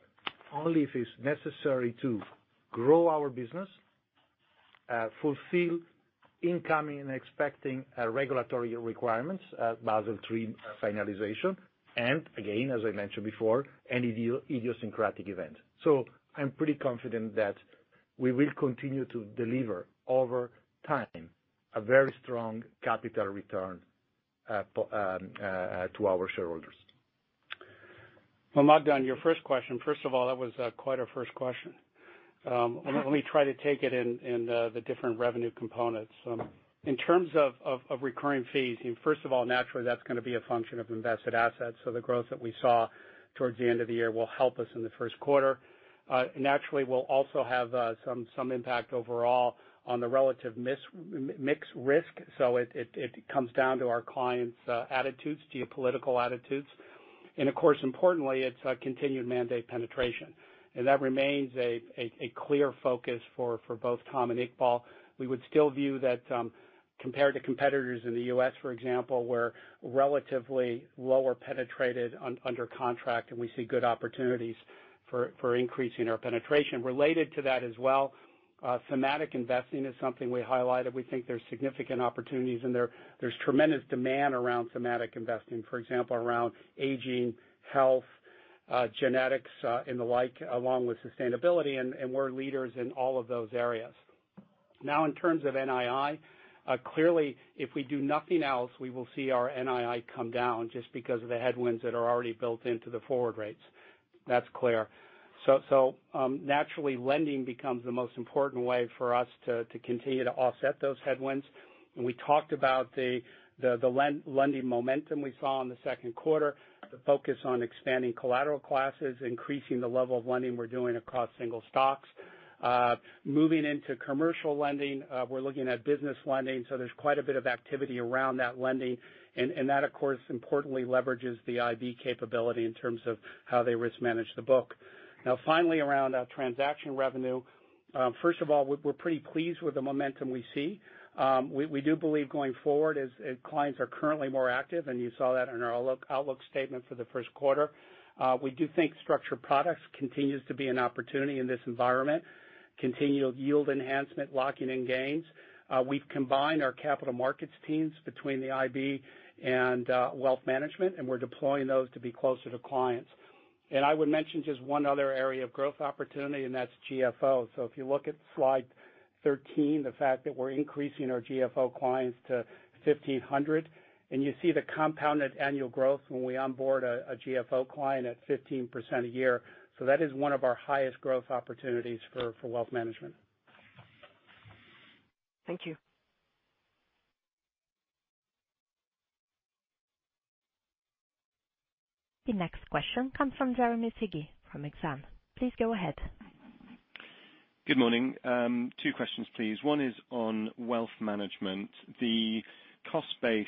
only if it's necessary to grow our business, fulfill incoming and expecting regulatory requirements, Basel III finalization, and again, as I mentioned before, any idiosyncratic event. I'm pretty confident that we will continue to deliver over time, a very strong capital return to our shareholders. Well, Magda, on your first question, first of all, that was quite a first question. Let me try to take it in the different revenue components. In terms of recurring fees, first of all, naturally, that's going to be a function of invested assets. The growth that we saw towards the end of the year will help us in the first quarter. Naturally, we'll also have some impact overall on the relative mix risk. It comes down to our clients' attitudes, geopolitical attitudes. Of course, importantly, it's a continued mandate penetration. That remains a clear focus for both Tom and Iqbal. We would still view that, compared to competitors in the U.S., for example, we're relatively lower penetrated under contract, and we see good opportunities for increasing our penetration. Related to that as well, thematic investing is something we highlighted. We think there's significant opportunities in there. There's tremendous demand around thematic investing, for example, around aging, health, genetics, and the like, along with sustainability, and we're leaders in all of those areas. In terms of NII, clearly, if we do nothing else, we will see our NII come down just because of the headwinds that are already built into the forward rates. That's clear. Naturally, lending becomes the most important way for us to continue to offset those headwinds. We talked about the lending momentum we saw in the second quarter, the focus on expanding collateral classes, increasing the level of lending we're doing across single stocks. Moving into commercial lending, we're looking at business lending, so there's quite a bit of activity around that lending, and that, of course, importantly leverages the IB capability in terms of how they risk manage the book. Finally, around our transaction revenue, first of all, we're pretty pleased with the momentum we see. We do believe going forward as clients are currently more active, you saw that in our outlook statement for the first quarter. We do think structured products continues to be an opportunity in this environment. Continual yield enhancement, locking in gains. We've combined our capital markets teams between the IB and wealth management, and we're deploying those to be closer to clients. I would mention just one other area of growth opportunity, and that's GFO. If you look at slide 13, the fact that we're increasing our GFO clients to 1,500, and you see the compounded annual growth when we onboard a GFO client at 15% a year. That is one of our highest growth opportunities for wealth management. Thank you. The next question comes from Jeremy Sigee from Exane. Please go ahead. Good morning. Two questions, please. One is on wealth management. The cost base,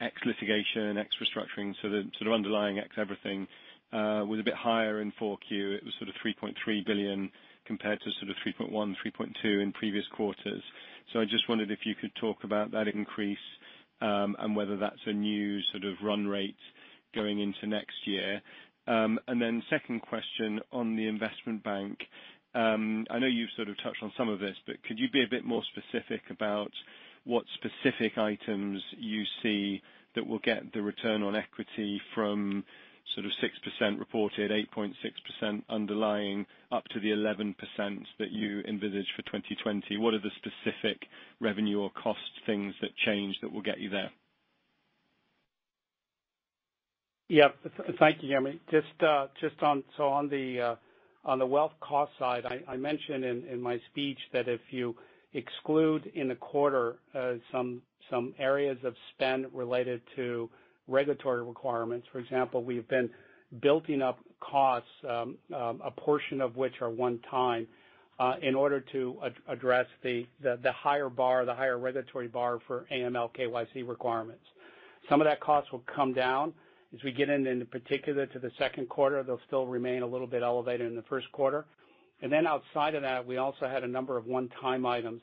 ex litigation, ex restructuring, so the sort of underlying ex everything, was a bit higher in Q4. It was 3.3 billion compared to 3.1 billion, 3.2 billion in previous quarters. I just wondered if you could talk about that increase, and whether that's a new sort of run rate going into next year. Second question on the Investment Bank. I know you've sort of touched on some of this, but could you be a bit more specific about what specific items you see that will get the return on equity from 6% reported, 8.6% underlying, up to the 11% that you envisage for 2020? What are the specific revenue or cost things that change that will get you there? Yeah. Thank you, Jeremy. On the wealth cost side, I mentioned in my speech that if you exclude in the quarter some areas of spend related to regulatory requirements, for example, we've been building up costs, a portion of which are one time, in order to address the higher regulatory bar for AML, KYC requirements. Some of that cost will come down as we get in particular to the second quarter. They'll still remain a little bit elevated in the first quarter. Outside of that, we also had a number of one-time items,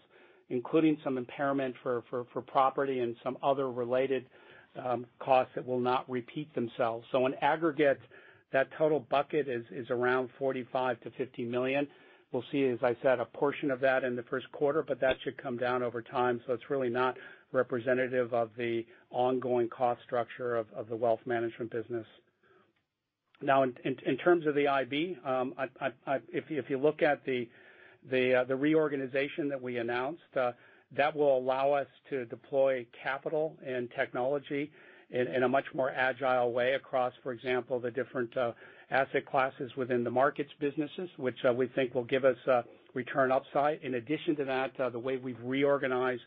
including some impairment for property and some other related costs that will not repeat themselves. In aggregate, that total bucket is around $45 million-$50 million. We'll see, as I said, a portion of that in the first quarter, but that should come down over time. It's really not representative of the ongoing cost structure of the wealth management business. In terms of the IB, if you look at the reorganization that we announced, that will allow us to deploy capital and technology in a much more agile way across, for example, the different asset classes within the markets businesses, which we think will give us a return upside. In addition to that, the way we've reorganized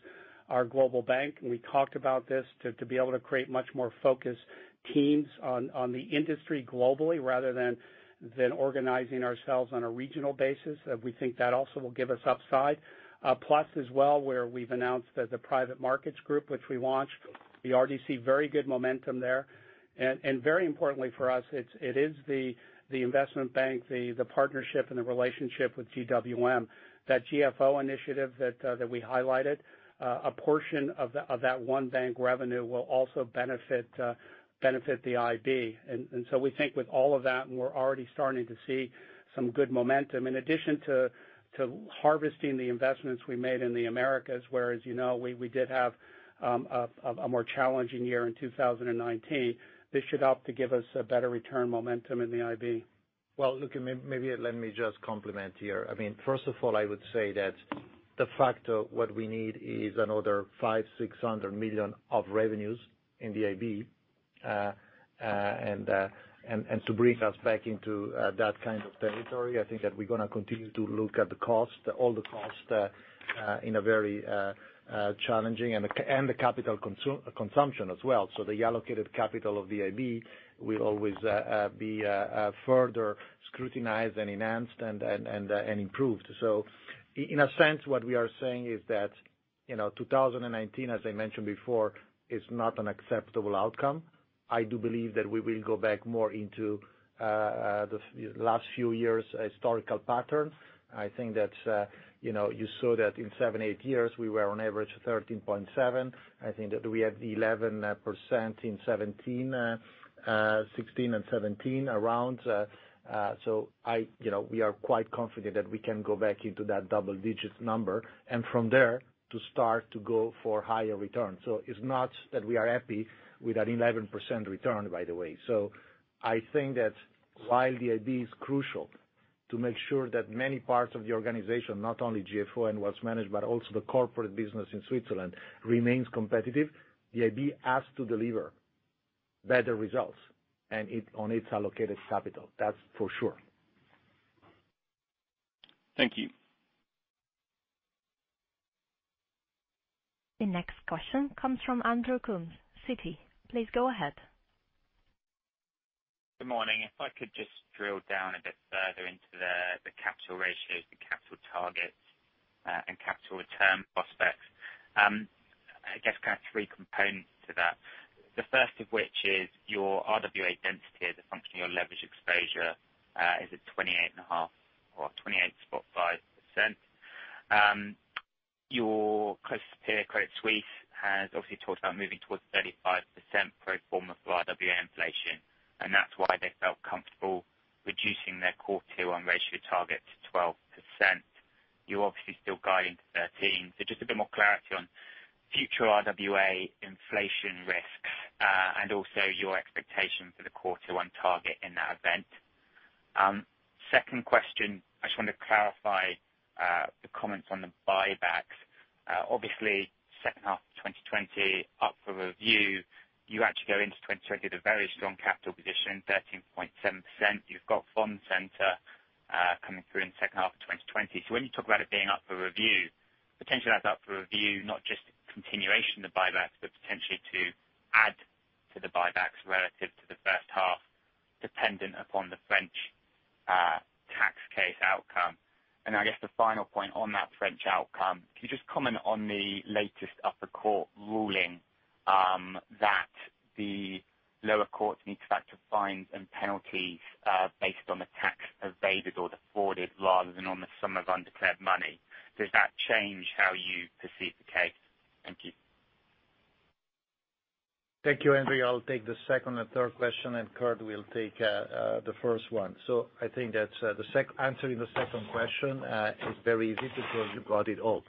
our global bank, and we talked about this, to be able to create much more focused teams on the industry globally, rather than organizing ourselves on a regional basis. We think that also will give us upside. As well, where we've announced the Private Markets Group, which we launched. We already see very good momentum there. Very importantly for us, it is the Investment Bank, the partnership and the relationship with GWM. That GFO initiative that we highlighted, a portion of that One Bank revenue will also benefit the IB. We think with all of that, and we're already starting to see some good momentum. In addition to harvesting the investments we made in the Americas, where, as you know, we did have a more challenging year in 2019. This should help to give us a better return momentum in the IB. Well, look, maybe let me just complement here. First of all, I would say that the fact what we need is another five, 600 million of revenues in the IB. To bring us back into that kind of territory, I think that we're going to continue to look at all the cost in a very challenging, and the capital consumption as well. The allocated capital of the IB will always be further scrutinized and enhanced, and improved. In a sense, what we are saying is that, 2019, as I mentioned before, is not an acceptable outcome. I do believe that we will go back more into the last few years' historical patterns. I think that you saw that in seven, eight years, we were on average 13.7. I think that we had 11% in 2016 and 2017 around. We are quite confident that we can go back into that double-digit number, and from there to start to go for higher return. It's not that we are happy with an 11% return, by the way. I think that while the IB is crucial to make sure that many parts of the organization, not only GFO and Wealth Management, but also the corporate business in Switzerland, remains competitive, the IB has to deliver better results on its allocated capital. That's for sure. Thank you. The next question comes from Andrew Coombs, Citi. Please go ahead. Good morning. If I could just drill down a bit further into the capital ratios, the capital targets, and capital return prospects. I guess kind of three components to that. The first of which is your RWA density as a function of your leverage exposure is at 28.5 or 28.5%. Your close peer, Credit Suisse, has obviously talked about moving towards 35% pro forma for RWA inflation, and that's why they felt comfortable reducing their core Tier 1 ratio target to 12%. You're obviously still guiding to 13%. Just a bit more clarity on future RWA inflation risks, and also your expectation for the Core Tier 1 target in that event. Second question, I just want to clarify the comments on the buybacks. Obviously, second half of 2020 up for review. You actually go into 2020 with a very strong capital position, 13.7%. You've got Fondcenter coming through in the second half of 2020. When you talk about it being up for review, potentially that's up for review not just a continuation of the buybacks, but potentially to add to the buybacks relative to the first half, dependent upon the French tax case outcome. I guess the final point on that French outcome, can you just comment on the latest upper court ruling that the lower courts need to factor fines and penalties based on the tax evaded or defaulted rather than on the sum of undeclared money? Does that change how you perceive the case? Thank you. Thank you, Andrew. I'll take the second and third question. Kirt will take the first one. I think that answering the second question is very easy because you got it all.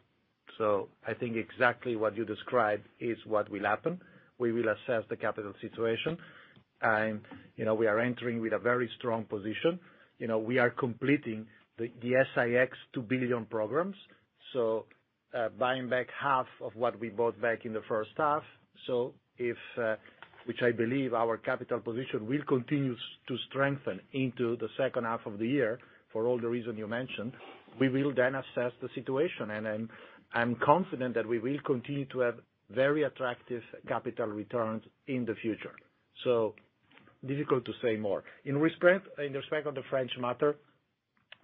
I think exactly what you described is what will happen. We will assess the capital situation. We are entering with a very strong position. We are completing the SIX 2 billion program. Buying back half of what we bought back in the first half. If, which I believe our capital position will continue to strengthen into the second half of the year, for all the reason you mentioned, we will then assess the situation. I'm confident that we will continue to have very attractive capital returns in the future. Difficult to say more. In respect of the French matter,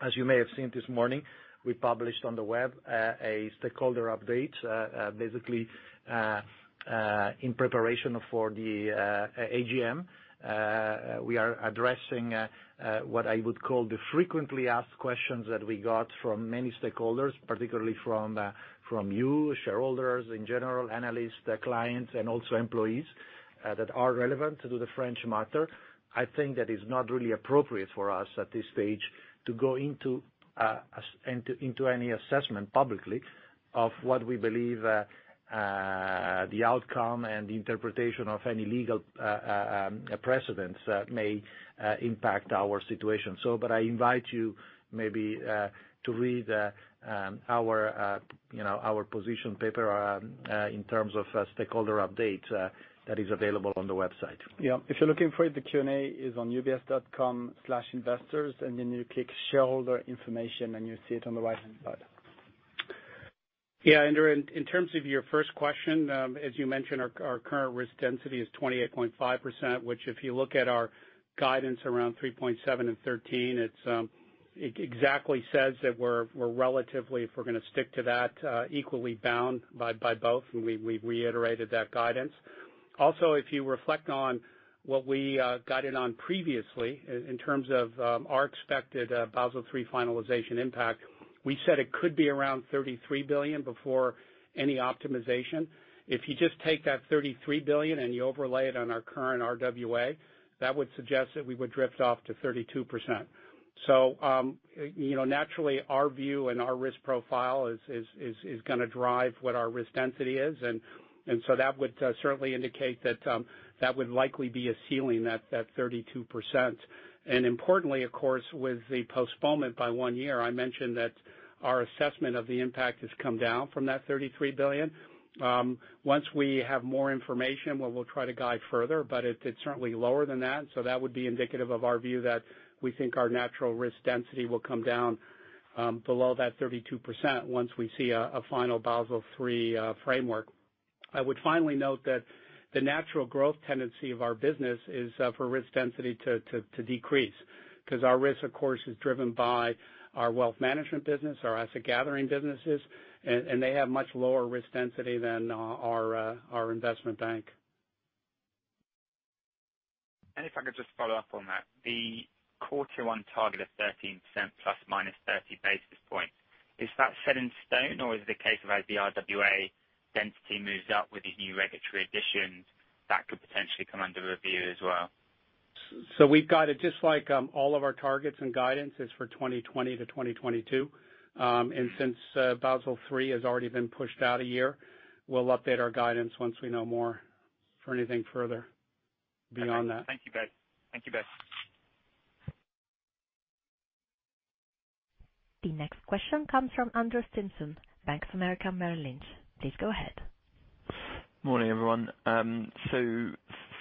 as you may have seen this morning, we published on the web, a stakeholder update, basically, in preparation for the AGM. We are addressing what I would call the frequently asked questions that we got from many stakeholders, particularly from you, shareholders in general, analysts, clients, and also employees that are relevant to the French matter. I think that is not really appropriate for us at this stage to go into any assessment publicly of what we believe, the outcome and the interpretation of any legal precedents that may impact our situation. I invite you maybe to read our position paper in terms of stakeholder update that is available on the website. Yeah. If you're looking for it, the Q&A is on ubs.com/investors, and then you click Shareholder Information, and you see it on the right-hand side. Yeah, Andrew, in terms of your first question, as you mentioned, our current risk density is 28.5%, which, if you look at our guidance around 3.7 and 13, it exactly says that we're relatively, if we're going to stick to that, equally bound by both, and we've reiterated that guidance. If you reflect on what we guided on previously in terms of our expected Basel III finalization impact, we said it could be around $33 billion before any optimization. If you just take that $33 billion and you overlay it on our current RWA, that would suggest that we would drift off to 32%. Naturally, our view and our risk profile is going to drive what our risk density is. That would certainly indicate that that would likely be a ceiling, that 32%. Importantly, of course, with the postponement by one year, I mentioned that our assessment of the impact has come down from that 33 billion. Once we have more information, we will try to guide further, but it is certainly lower than that. That would be indicative of our view that we think our natural risk density will come down below that 32% once we see a final Basel III framework. I would finally note that the natural growth tendency of our business is for risk density to decrease because our risk, of course, is driven by our wealth management business, our asset gathering businesses, and they have much lower risk density than our investment bank. If I could just follow up on that, the quarter on target of 13% plus or minus 30 basis points, is that set in stone, or is the case of RWA density moves up with the new regulatory additions that could potentially come under review as well? We've got it just like all of our targets and guidance is for 2020 to 2022. Since Basel III has already been pushed out a year, we'll update our guidance once we know more for anything further beyond that. Thank you both. The next question comes from Andrew Stimpson, Bank of America, Merrill Lynch. Please go ahead. Morning, everyone.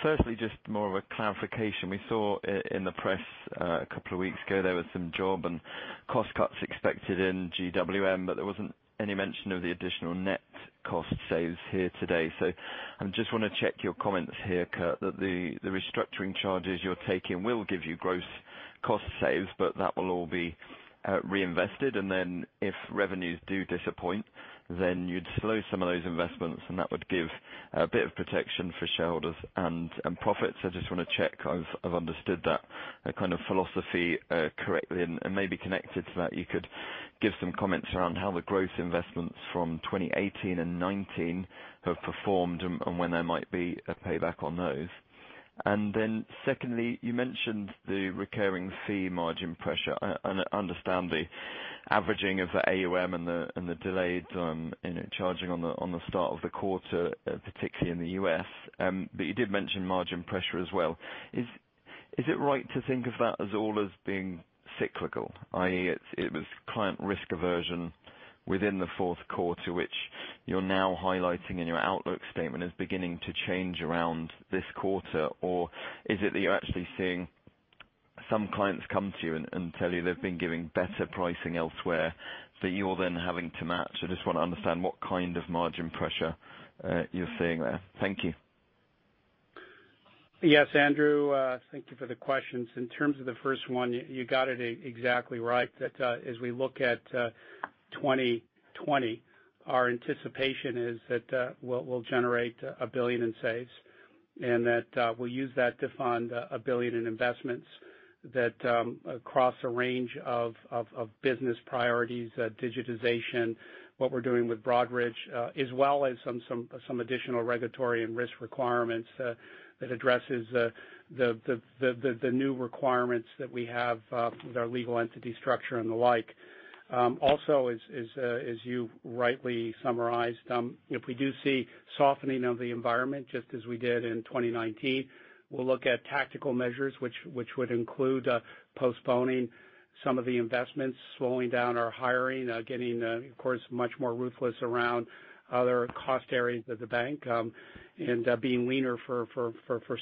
Firstly, just more of a clarification. We saw in the press a couple of weeks ago there were some job and cost cuts expected in GWM, but there wasn't any mention of the additional net cost saves here today. I just want to check your comments here, Kirt, that the restructuring charges you're taking will give you gross cost saves, but that will all be reinvested, and then if revenues do disappoint, then you'd slow some of those investments, and that would give a bit of protection for shareholders and profits. I just want to check I've understood that kind of philosophy correctly. Maybe connected to that, you could give some comments around how the growth investments from 2018 and 2019 have performed and when there might be a payback on those. Secondly, you mentioned the recurring fee margin pressure. I understand the averaging of the AUM and the delays on charging on the start of the quarter, particularly in the U.S. You did mention margin pressure as well. Is it right to think of that as all as being cyclical, i.e., it was client risk aversion within the fourth quarter, which you're now highlighting in your outlook statement is beginning to change around this quarter, or is it that you're actually seeing some clients come to you and tell you they've been given better pricing elsewhere that you're then having to match? I just want to understand what kind of margin pressure you're seeing there. Thank you. Yes, Andrew. Thank you for the questions. In terms of the first one, you got it exactly right. As we look at 2020, our anticipation is that we'll generate 1 billion in saves and that we'll use that to fund 1 billion in investments that across a range of business priorities, digitization, what we're doing with Broadridge, as well as some additional regulatory and risk requirements that addresses the new requirements that we have with our legal entity structure and the like. As you rightly summarized, if we do see softening of the environment, just as we did in 2019, we'll look at tactical measures, which would include postponing some of the investments, slowing down our hiring, getting, of course, much more ruthless around other cost areas of the bank, and being leaner for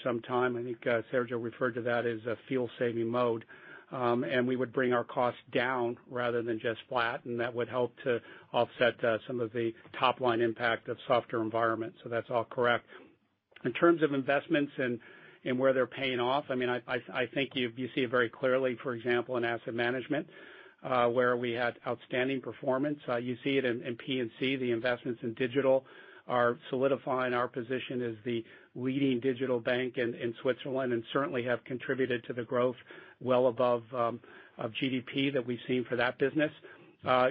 some time. I think Sergio referred to that as a fuel-saving mode. We would bring our costs down rather than just flat, and that would help to offset some of the top-line impact of softer environments. That's all correct. In terms of investments and where they're paying off, I think you see it very clearly, for example, in asset management, where we had outstanding performance. You see it in P&C. The investments in digital are solidifying our position as the leading digital bank in Switzerland and certainly have contributed to the growth well above GDP that we've seen for that business.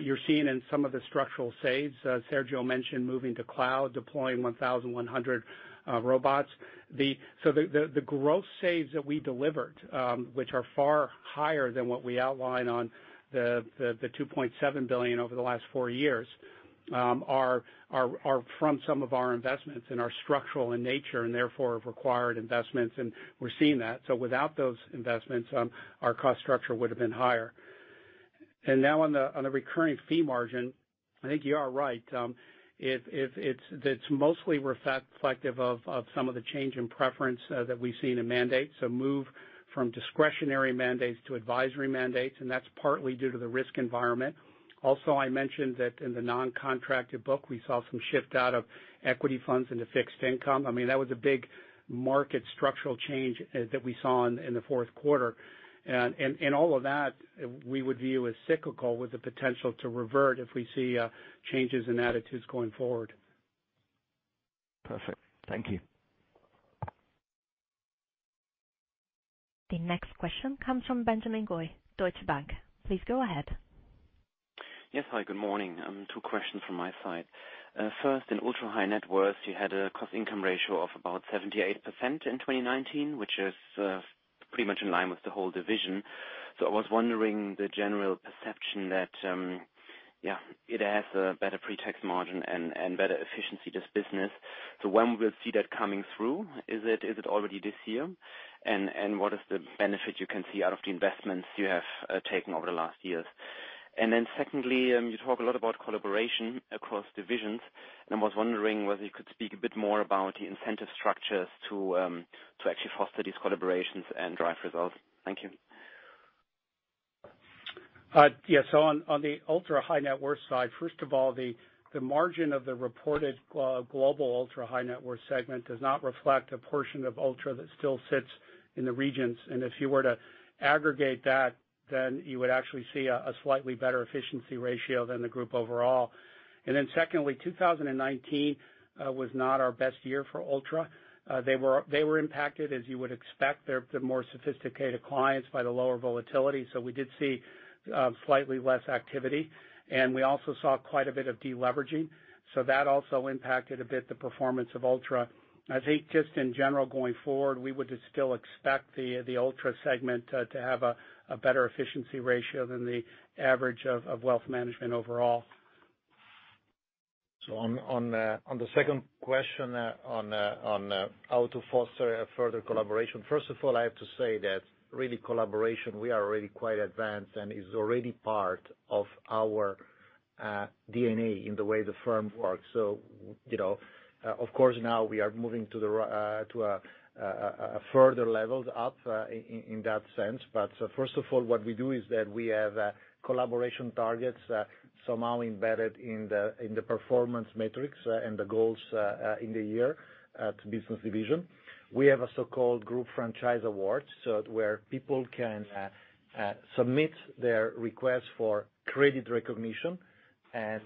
You're seeing in some of the structural saves, Sergio mentioned moving to cloud, deploying 1,100 robots. The growth saves that we delivered, which are far higher than what we outlined on the $2.7 billion over the last four years, are from some of our investments and are structural in nature, and therefore, have required investments, and we're seeing that. Without those investments, our cost structure would have been higher. Now on the recurring fee margin, I think you are right. It is mostly reflective of some of the change in preference that we have seen in mandates, so move from discretionary mandates to advisory mandates, and that is partly due to the risk environment. Also, I mentioned that in the non-contracted book, we saw some shift out of equity funds into fixed income. That was a big market structural change that we saw in the fourth quarter. All of that, we would view as cyclical with the potential to revert if we see changes in attitudes going forward. Perfect. Thank you. The next question comes from Benjamin Goy, Deutsche Bank. Please go ahead. Yes. Hi, good morning. Two questions from my side. First, in ultra-high net worth, you had a cost income ratio of about 78% in 2019, which is pretty much in line with the whole division. I was wondering the general perception that, it has a better pre-tax margin and better efficiency, this business. What is the benefit you can see out of the investments you have taken over the last years? Secondly, you talk a lot about collaboration across divisions, and I was wondering whether you could speak a bit more about the incentive structures to actually foster these collaborations and drive results. Thank you. Yes. On the ultra-high-net-worth side, first of all, the margin of the reported global ultra-high-net-worth segment does not reflect a portion of ultra that still sits in the regions. If you were to aggregate that, you would actually see a slightly better efficiency ratio than the group overall. Secondly, 2019 was not our best year for ultra. They were impacted, as you would expect, they're the more sophisticated clients by the lower volatility. We did see slightly less activity, and we also saw quite a bit of de-leveraging. That also impacted a bit the performance of ultra. I think just in general going forward, we would still expect the ultra segment to have a better efficiency ratio than the average of wealth management overall. On the second question on how to foster a further collaboration. First of all, I have to say that really collaboration, we are already quite advanced, and is already part of our DNA in the way the firm works. Of course, now we are moving to a further level up in that sense. First of all, what we do is that we have collaboration targets somehow embedded in the performance metrics and the goals in the year to business division. We have a so-called Group Franchise Awards, where people can submit their request for credit recognition and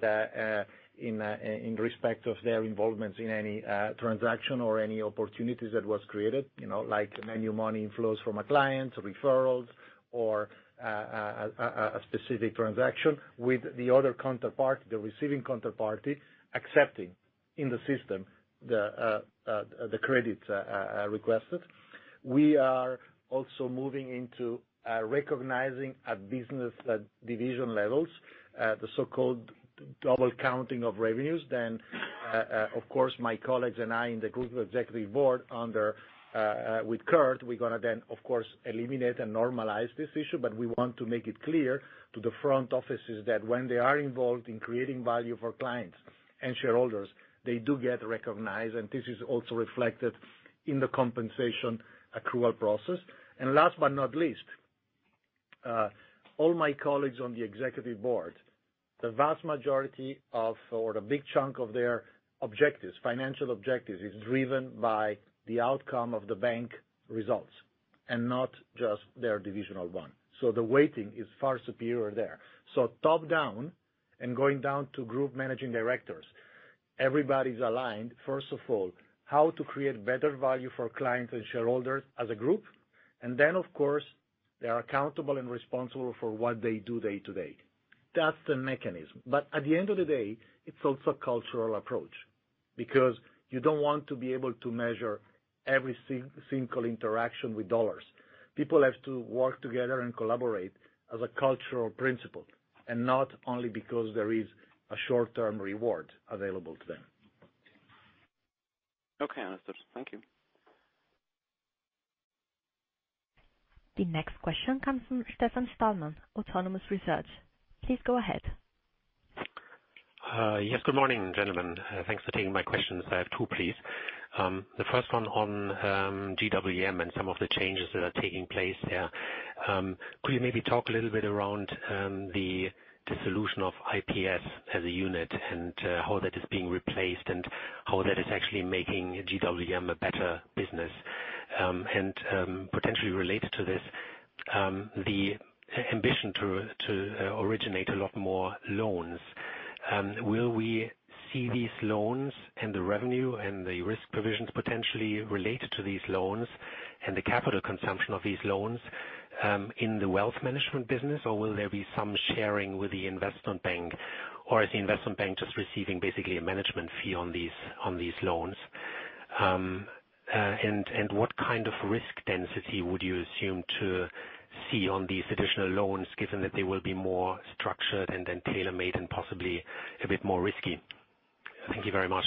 in respect of their involvement in any transaction or any opportunities that was created, like new money inflows from a client or referrals or a specific transaction with the other counterpart, the receiving counterparties accepting in the system the credits requested. We are also moving into recognizing at business division levels, the so-called double counting of revenues. Of course, my colleagues and I in the Group Executive Board with Kirt, we're going to then, of course, eliminate and normalize this issue. We want to make it clear to the front offices that when they are involved in creating value for clients and shareholders, they do get recognized, and this is also reflected in the compensation accrual process. Last but not least, all my colleagues on the Executive Board, the vast majority of, or the big chunk of their objectives, financial objectives, is driven by the outcome of the bank results and not just their divisional one. The weighting is far superior there. Top-down and going down to group managing directors, everybody's aligned. First of all, how to create better value for clients and shareholders as a group. Then, of course, they are accountable and responsible for what they do day-to-day. That's the mechanism. At the end of the day, it's also a cultural approach. You don't want to be able to measure every single interaction with dollars. People have to work together and collaborate as a cultural principle, and not only because there is a short-term reward available to them. Okay, Sergio. Thank you. The next question comes from Stefan Stalmann, Autonomous Research. Please go ahead. Yes. Good morning, gentlemen. Thanks for taking my questions. I have two, please. The first one on GWM and some of the changes that are taking place there. Could you maybe talk a little bit around the dissolution of IPS as a unit and how that is being replaced, and how that is actually making GWM a better business? Potentially related to this, the ambition to originate a lot more loans. Will we see these loans, and the revenue, and the risk provisions potentially related to these loans, and the capital consumption of these loans in the wealth management business? Will there be some sharing with the investment bank, or is the investment bank just receiving basically a management fee on these loans? What kind of risk density would you assume to see on these additional loans, given that they will be more structured, and then tailor-made, and possibly a bit more risky? Thank you very much.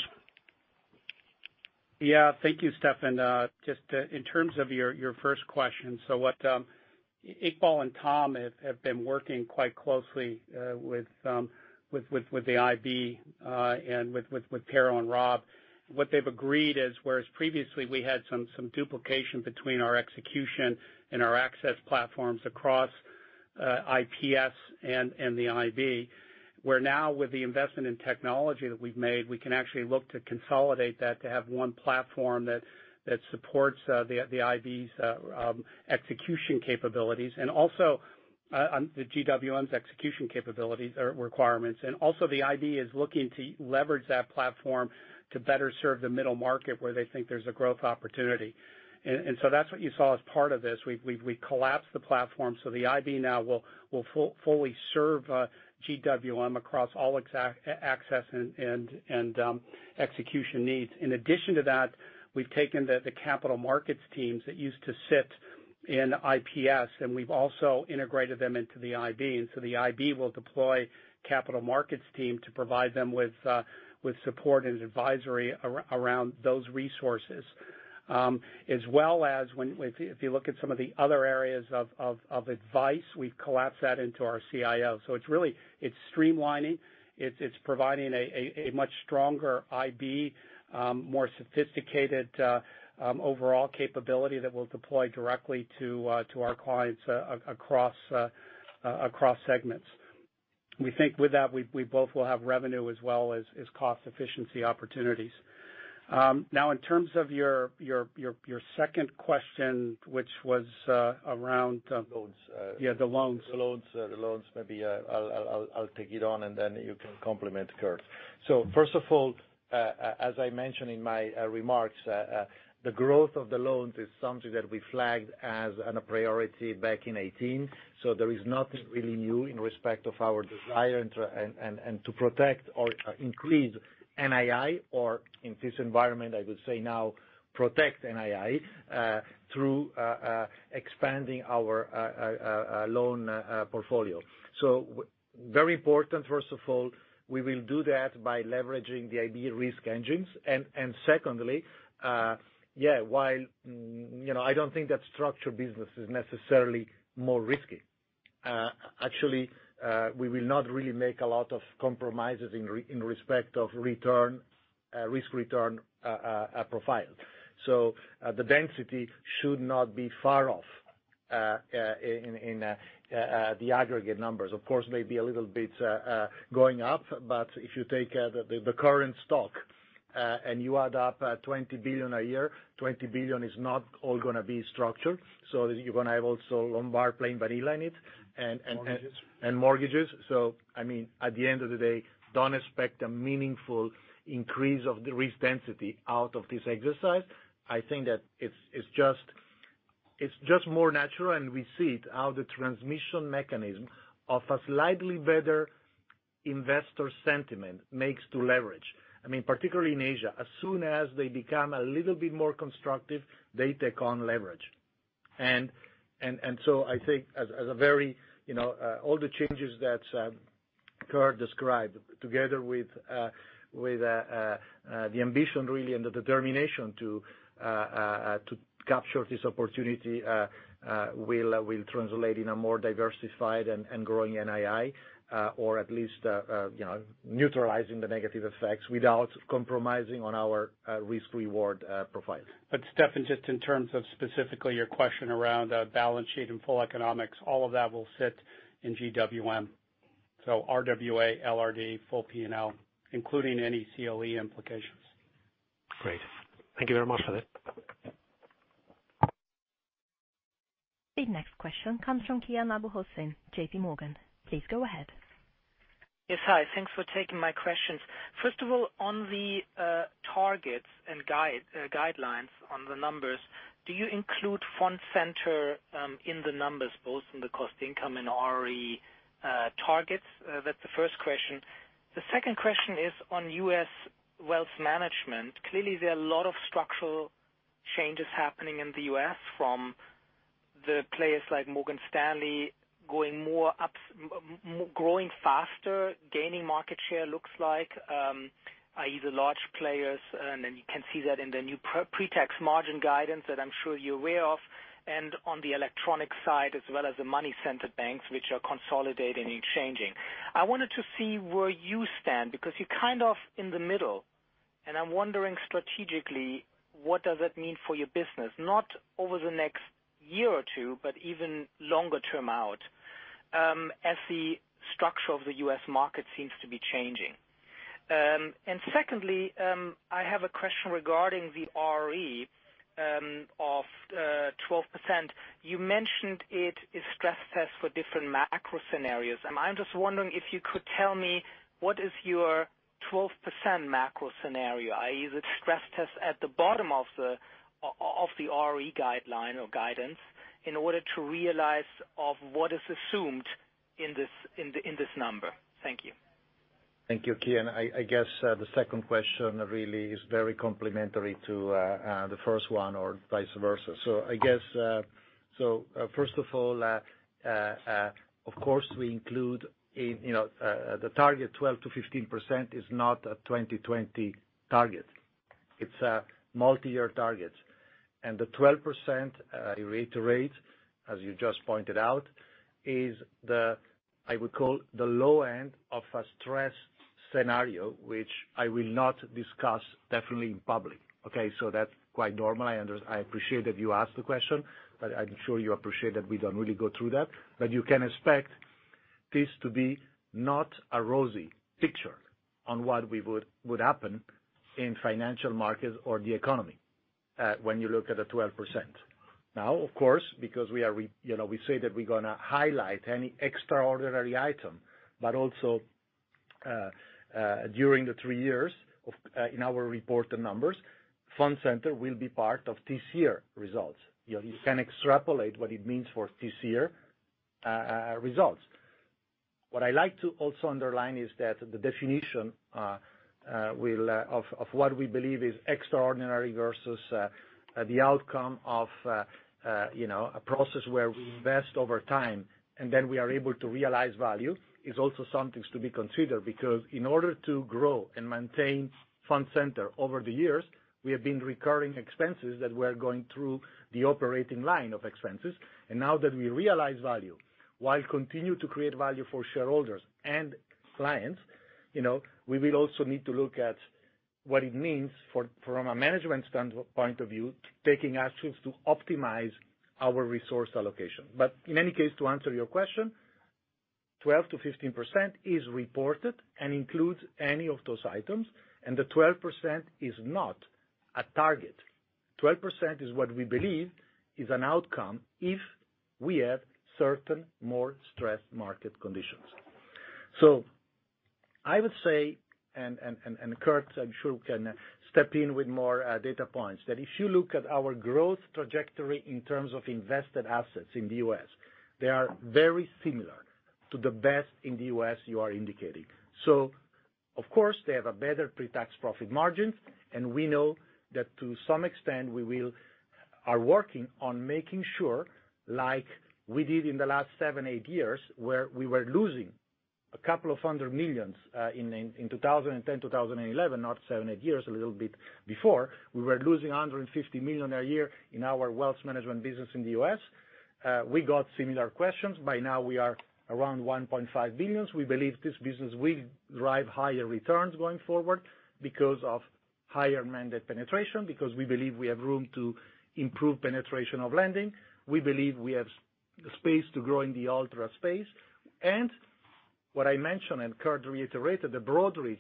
Yeah, thank you, Stefan. Just in terms of your first question, what Iqbal and Tom have been working quite closely with the IB, and with Piero and Rob, what they've agreed is whereas previously we had some duplication between our execution and our access platforms across IPS and the IB, where now with the investment in technology that we've made, we can actually look to consolidate that to have one platform that supports the IB's execution capabilities, and also the GWM's execution capabilities or requirements. The IB is looking to leverage that platform to better serve the middle market where they think there's a growth opportunity. That's what you saw as part of this. We collapsed the platform, so the IB now will fully serve GWM across all its access and execution needs. In addition to that, we've taken the capital markets teams that used to sit in IPS, and we've also integrated them into the IB. The IB will deploy capital markets team to provide them with support and advisory around those resources. As well as if you look at some of the other areas of advice, we've collapsed that into our CIO. It's streamlining, it's providing a much stronger IB, more sophisticated overall capability that we'll deploy directly to our clients across segments. We think with that, we both will have revenue as well as cost efficiency opportunities. Now, in terms of your second question, which was around. Loans. Yeah, the loans. The loans, maybe I'll take it on and then you can complement, Kirt. First of all, as I mentioned in my remarks, the growth of the loans is something that we flagged as a priority back in 2018. There is nothing really new in respect of our desire and to protect or increase NII, or in this environment, I would say now protect NII through expanding our loan portfolio. Very important, first of all, we will do that by leveraging the IB risk engines. Secondly, while I don't think that structured business is necessarily more risky. Actually, we will not really make a lot of compromises in respect of risk-return profile. The density should not be far off in the aggregate numbers. Of course, maybe a little bit going up. If you take the current stock, and you add up 20 billion a year, 20 billion is not all going to be structured. You are going to have also Lombard plain vanilla in it. Mortgages and mortgages. I mean, at the end of the day, don't expect a meaningful increase of the risk density out of this exercise. I think that it's just more natural, and we see it how the transmission mechanism of a slightly better investor sentiment makes to leverage. I mean, particularly in Asia, as soon as they become a little bit more constructive, they take on leverage. I think all the changes that Kirt described together with the ambition really, and the determination to capture this opportunity will translate in a more diversified and growing NII, or at least neutralizing the negative effects without compromising on our risk-reward profile. Stefan, just in terms of specifically your question around balance sheet and full economics, all of that will sit in GWM. RWA, LRD, full P&L, including any CLE implications. Great. Thank you very much for that. The next question comes from Kian Abouhossein, JPMorgan. Please go ahead. Yes, hi. Thanks for taking my questions. First of all, on the targets and guidelines on the numbers, do you include Fondcenter in the numbers, both in the cost income and RE targets? That's the first question. The second question is on U.S. wealth management. Clearly, there are a lot of structural changes happening in the U.S. from the players like Morgan Stanley growing faster, gaining market share, looks like, i.e. the large players, and then you can see that in the new pre-tax margin guidance that I'm sure you're aware of, and on the electronic side, as well as the money center banks, which are consolidating and changing. I wanted to see where you stand, because you're kind of in the middle, and I'm wondering strategically, what does that mean for your business? Not over the next year or two, but even longer term out, as the structure of the U.S. market seems to be changing. Secondly, I have a question regarding the ROE of 12%. You mentioned it is stress-tested for different macro scenarios. I'm just wondering if you could tell me what is your 12% macro scenario, i.e. the stress test at the bottom of the ROE guideline or guidance in order to realize what is assumed in this number. Thank you. Thank you, Kian. I guess, the second question really is very complementary to the first one or vice versa. First of all, of course, we include the target 12%-15% is not a 2020 target. It's a multi-year target. The 12%, I reiterate, as you just pointed out, is the, I would call the low end of a stress scenario, which I will not discuss definitely in public. Okay. That's quite normal. I appreciate that you asked the question, but I'm sure you appreciate that we don't really go through that. You can expect this to be not a rosy picture on what would happen in financial markets or the economy, when you look at the 12%. Of course, because we say that we're going to highlight any extraordinary item, but also, during the 3 years in our reported numbers, Fondcenter will be part of this year results. You can extrapolate what it means for this year results. What I like to also underline is that the definition of what we believe is extraordinary versus the outcome of a process where we invest over time and then we are able to realize value is also somethings to be considered, because in order to grow and maintain Fondcenter over the years, we have been recurring expenses that were going through the operating line of expenses. Now that we realize value, while continue to create value for shareholders and clients, we will also need to look at what it means from a management standpoint of view, taking actions to optimize our resource allocation. In any case, to answer your question, 12%-15% is reported and includes any of those items. The 12% is not a target. 12% is what we believe is an outcome if we have certain more stressed market conditions. I would say, and Kirt I'm sure can step in with more data points, that if you look at our growth trajectory in terms of invested assets in the U.S., they are very similar to the best in the U.S. you are indicating. Of course, they have a better pre-tax profit margin, and we know that to some extent, we are working on making sure, like we did in the last seven, eight years, where we were losing a couple of hundred millions, in 2010, 2011, not seven, eight years, a little bit before, we were losing $150 million a year in our wealth management business in the U.S. We got similar questions. By now we are around $1.5 billion. We believe this business will drive higher returns going forward because of higher mandate penetration, because we believe we have room to improve penetration of lending. We believe we have space to grow in the ultra space. What I mentioned, and Kirt reiterated, the Broadridge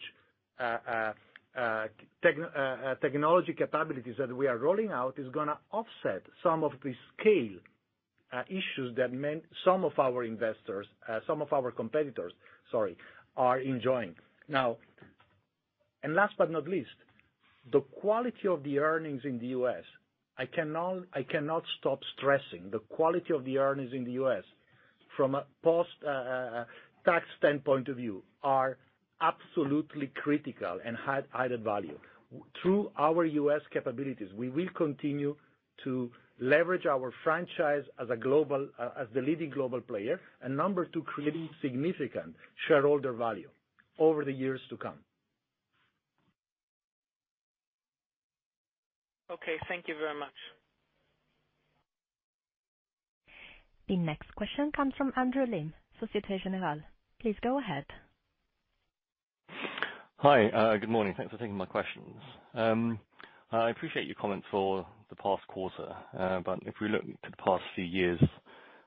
technology capabilities that we are rolling out is going to offset some of the scale issues that some of our competitors are enjoying. Now, last but not least, the quality of the earnings in the U.S., I cannot stop stressing, the quality of the earnings in the U.S. from a post-tax standpoint of view, are absolutely critical and had added value. Through our U.S. capabilities, we will continue to leverage our franchise as the leading global player, number 2, creating significant shareholder value over the years to come. Okay. Thank you very much. The next question comes from Andrew Lim, Societe Generale. Please go ahead. Hi. Good morning. Thanks for taking my questions. I appreciate your comments for the past quarter. If we look to the past few years,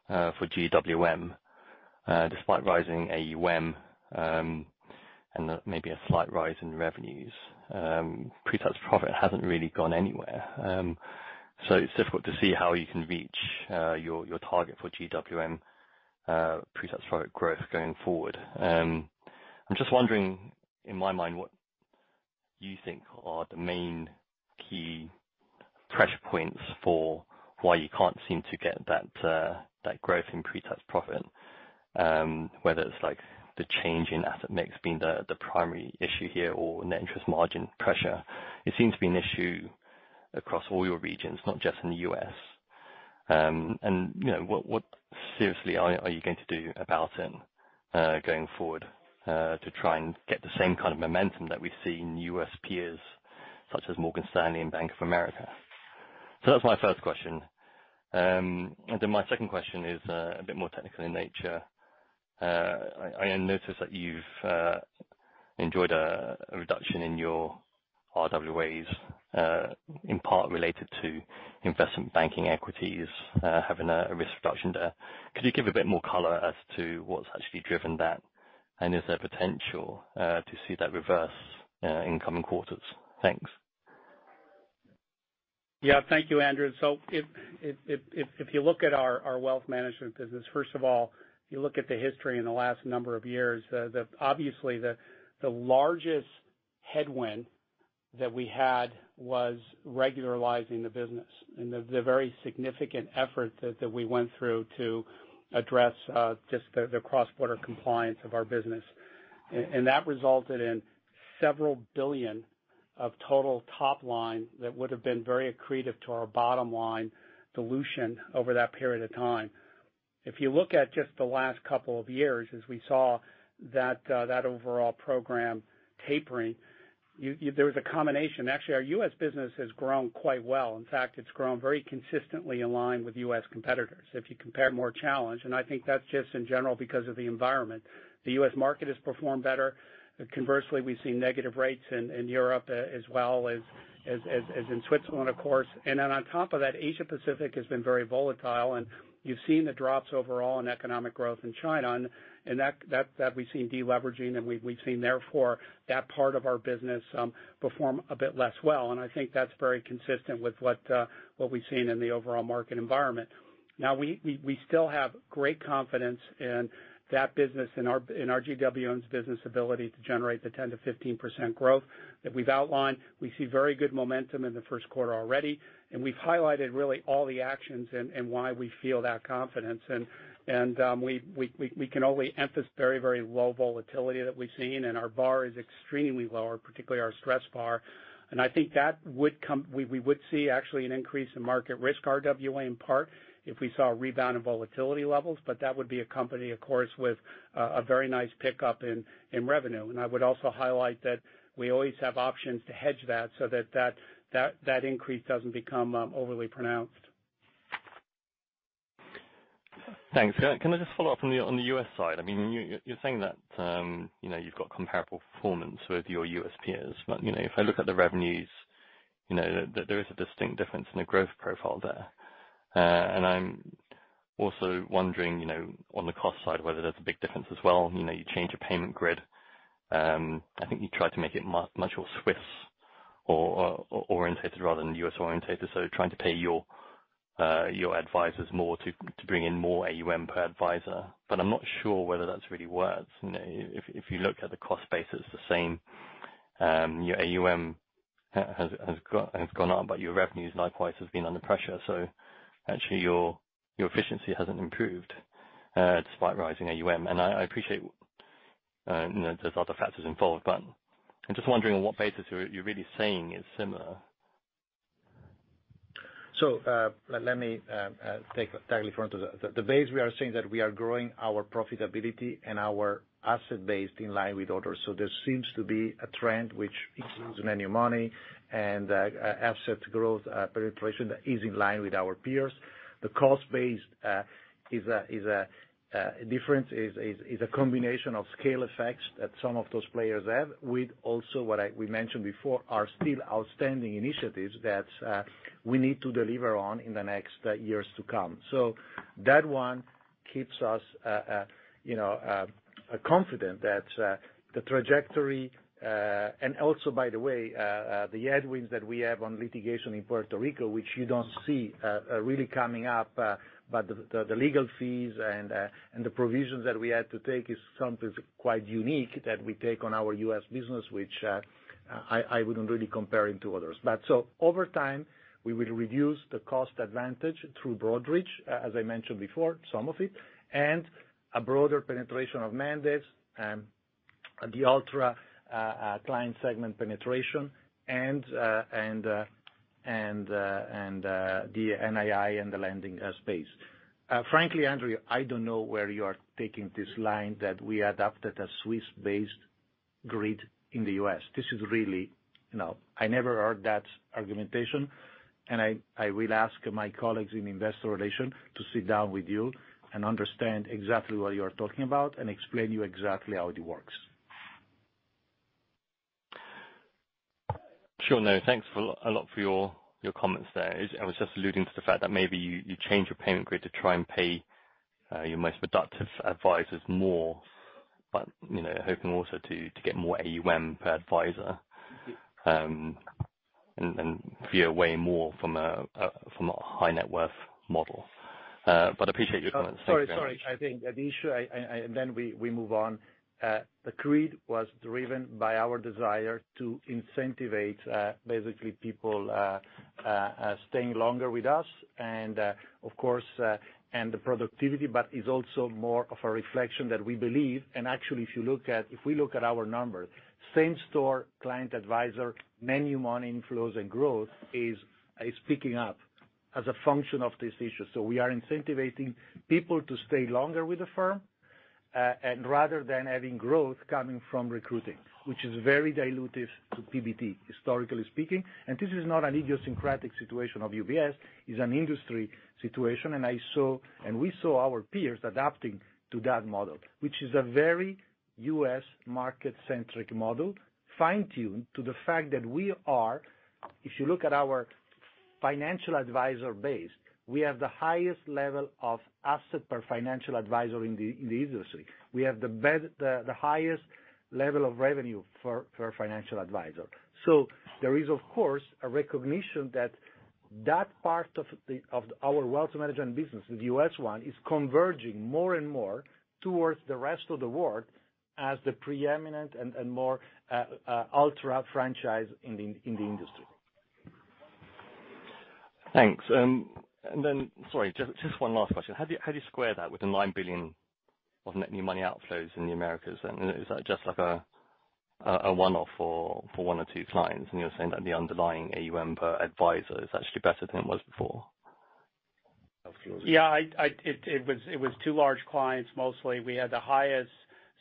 for GWM, despite rising AUM, and there may be a slight rise in revenues, pre-tax profit hasn't really gone anywhere. It's difficult to see how you can reach your target for GWM pre-tax profit growth going forward. I'm just wondering, in my mind, what you think are the main key pressure points for why you can't seem to get that growth in pre-tax profit, whether it's the change in asset mix being the primary issue here or net interest margin pressure, it seems to be an issue across all your regions, not just in the U.S. What seriously are you going to do about it going forward, to try and get the same kind of momentum that we see in U.S. peers such as Morgan Stanley and Bank of America? That's my first question. My second question is a bit more technical in nature. I noticed that you've enjoyed a reduction in your RWAs, in part related to investment banking equities having a risk reduction there. Could you give a bit more color as to what's actually driven that, and is there potential to see that reverse in coming quarters? Thanks. Yeah, thank you, Andrew. If you look at our Wealth Management business, first of all, you look at the history in the last number of years, obviously the largest headwind that we had was regularizing the business, and the very significant effort that we went through to address just the cross-border compliance of our business. That resulted in $several billion of total top line that would've been very accretive to our bottom line dilution over that period of time. If you look at just the last couple of years, as we saw that overall program tapering, there was a combination. Actually, our U.S. business has grown quite well. In fact, it's grown very consistently in line with U.S. competitors. If you compare more challenge, and I think that's just in general because of the environment. The U.S. market has performed better. Conversely, we've seen negative rates in Europe as well as in Switzerland, of course. On top of that, Asia Pacific has been very volatile, and you've seen the drops overall in economic growth in China, and that we've seen de-leveraging, and we've seen therefore that part of our business perform a bit less well. I think that's very consistent with what we've seen in the overall market environment. Now we still have great confidence in that business, in our GWMs business ability to generate the 10%-15% growth that we've outlined. We see very good momentum in the first quarter already, and we've highlighted really all the actions and why we feel that confidence. We can only emphasize very low volatility that we've seen, and our bar is extremely low, particularly our stress bar. I think we would see actually an increase in market risk RWA in part if we saw a rebound in volatility levels. That would be accompanied, of course, with a very nice pickup in revenue. I would also highlight that we always have options to hedge that so that increase doesn't become overly pronounced. Thanks. Can I just follow up on the U.S. side? You're saying that you've got comparable performance with your U.S. peers, but if I look at the revenues, there is a distinct difference in the growth profile there. I'm also wondering, on the cost side, whether there's a big difference as well. You change your payment grid. I think you try to make it much more Swiss-oriented rather than U.S.-oriented, so trying to pay your advisors more to bring in more AUM per advisor. I'm not sure whether that's really worked. If you look at the cost base, it's the same. Your AUM has gone up, but your revenues likewise have been under pressure, so actually your efficiency hasn't improved, despite rising AUM. I appreciate there's other factors involved, but I'm just wondering on what basis you're really saying it's similar. Let me take that. The base we are seeing that we are growing our profitability and our asset base in line with others. There seems to be a trend which includes new money and asset growth penetration that is in line with our peers. The cost base difference is a combination of scale effects that some of those players have, with also what we mentioned before, are still outstanding initiatives that we need to deliver on in the next years to come. That one keeps us confident that the trajectory, and also by the way, the headwinds that we have on litigation in Puerto Rico, which you don't see really coming up, but the legal fees and the provisions that we had to take is something quite unique that we take on our U.S. business, which I wouldn't really compare it to others. Over time, we will reduce the cost advantage through Broadridge, as I mentioned before, some of it, and a broader penetration of mandates and the ultra client segment penetration and the NII and the lending space. Frankly, Andrew, I don't know where you are taking this line that we adopted a Swiss-based grid in the U.S. I never heard that argumentation, and I will ask my colleagues in Investor Relations to sit down with you and understand exactly what you are talking about and explain you exactly how it works. Sure. No, thanks a lot for your comments there. I was just alluding to the fact that maybe you change your payment grid to try and pay your most productive advisors more, but hoping also to get more AUM per advisor. Veer way more from a high net worth model. Appreciate your comments. Sorry. I think the issue, then we move on. The grid was driven by our desire to incentivize basically people staying longer with us and, of course, the productivity, but it is also more of a reflection that we believe, and actually, if we look at our numbers, same-store client advisor, new money inflows and growth is picking up as a function of this issue. We are incentivizing people to stay longer with the firm, rather than having growth coming from recruiting, which is very dilutive to PBT, historically speaking. This is not an idiosyncratic situation of UBS, it is an industry situation. We saw our peers adapting to that model, which is a very U.S. market-centric model, fine-tuned to the fact that if you look at our financial advisor base, we have the highest level of asset per financial advisor in the industry. We have the highest level of revenue per financial advisor. There is, of course, a recognition that that part of our wealth management business, the U.S. one, is converging more and more towards the rest of the world as the preeminent and more ultra franchise in the industry. Thanks. Sorry, just one last question. How do you square that with the 9 billion of net new money outflows in the Americas then? Is that just like a one-off for one or two clients and you're saying that the underlying AUM per advisor is actually better than it was before? Yeah. It was two large clients. Mostly, we had the highest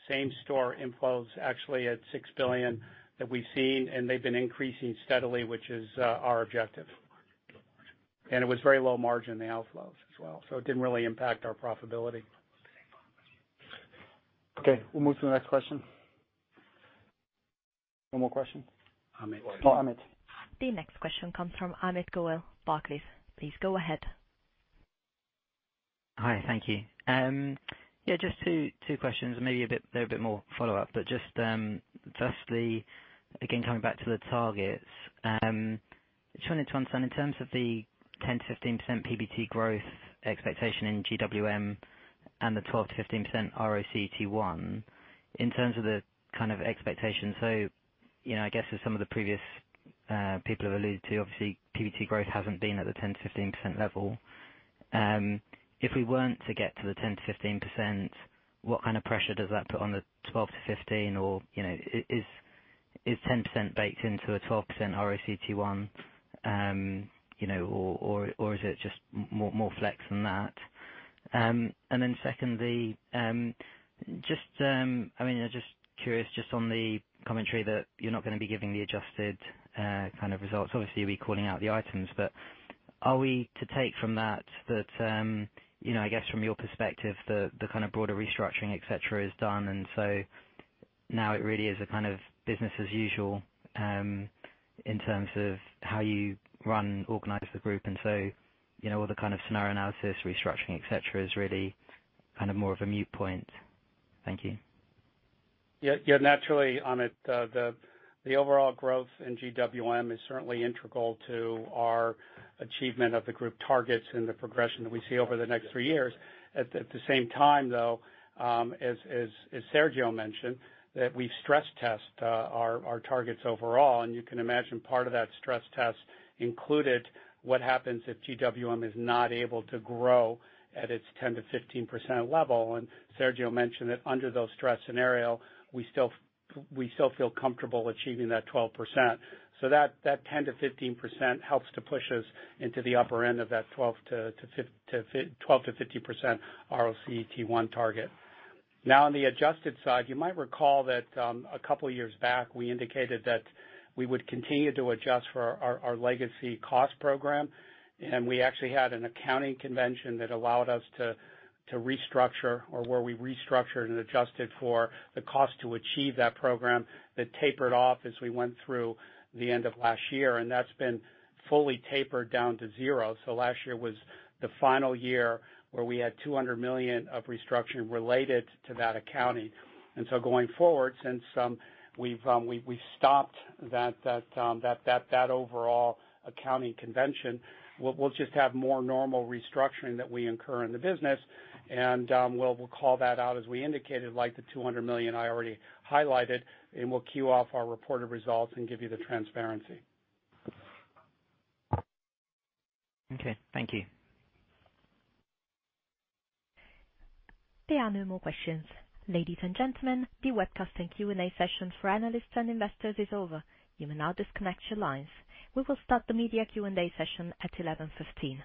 same-store inflows, actually at 6 billion that we've seen. They've been increasing steadily, which is our objective. It was very low margin, the outflows as well. It didn't really impact our profitability. Okay, we'll move to the next question. One more question? Amit. Oh, Amit. The next question comes from Amit Goel, Barclays. Please go ahead. Hi. Thank you. Yeah, just two questions, maybe they're a bit more follow-up. Just firstly, again, coming back to the targets. Just wanted to understand in terms of the 10%-15% PBT growth expectation in GWM and the 12%-15% RoCET1, in terms of the kind of expectation. I guess as some of the previous people have alluded to, obviously PBT growth hasn't been at the 10%-15% level. If we weren't to get to the 10%-15%, what kind of pressure does that put on the 12%-15% or is 10% baked into a 12% RoCET1? Is it just more flex than that? Secondly, I'm just curious just on the commentary that you're not going to be giving the adjusted kind of results. Obviously, you'll be calling out the items. Are we to take from that, I guess from your perspective, the kind of broader restructuring et cetera is done, now it really is a kind of business as usual, in terms of how you run, organize the group, all the kind of scenario analysis, restructuring, et cetera, is really kind of more of a moot point? Thank you. Yeah. Naturally, Amit, the overall growth in GWM is certainly integral to our achievement of the group targets and the progression that we see over the next three years. At the same time, though, as Sergio mentioned, that we stress test our targets overall. You can imagine part of that stress test included what happens if GWM is not able to grow at its 10%-15% level. Sergio mentioned that under those stress scenario, we still feel comfortable achieving that 12%. That 10%-15% helps to push us into the upper end of that 12%-15% RoCET1target. Now, on the adjusted side, you might recall that a couple of years back, we indicated that we would continue to adjust for our legacy cost program. We actually had an accounting convention that allowed us to restructure, or where we restructured and adjusted for the cost to achieve that program that tapered off as we went through the end of last year. That's been fully tapered down to zero. Last year was the final year where we had 200 million of restructuring related to that accounting. Going forward, since we've stopped that overall accounting convention, we'll just have more normal restructuring that we incur in the business. We'll call that out as we indicated, like the 200 million I already highlighted, and we'll cue off our reported results and give you the transparency. Okay. Thank you. There are no more questions. Ladies and gentlemen, the webcast and Q&A session for analysts and investors is over. You may now disconnect your lines. We will start the media Q&A session at 11:15 A.M.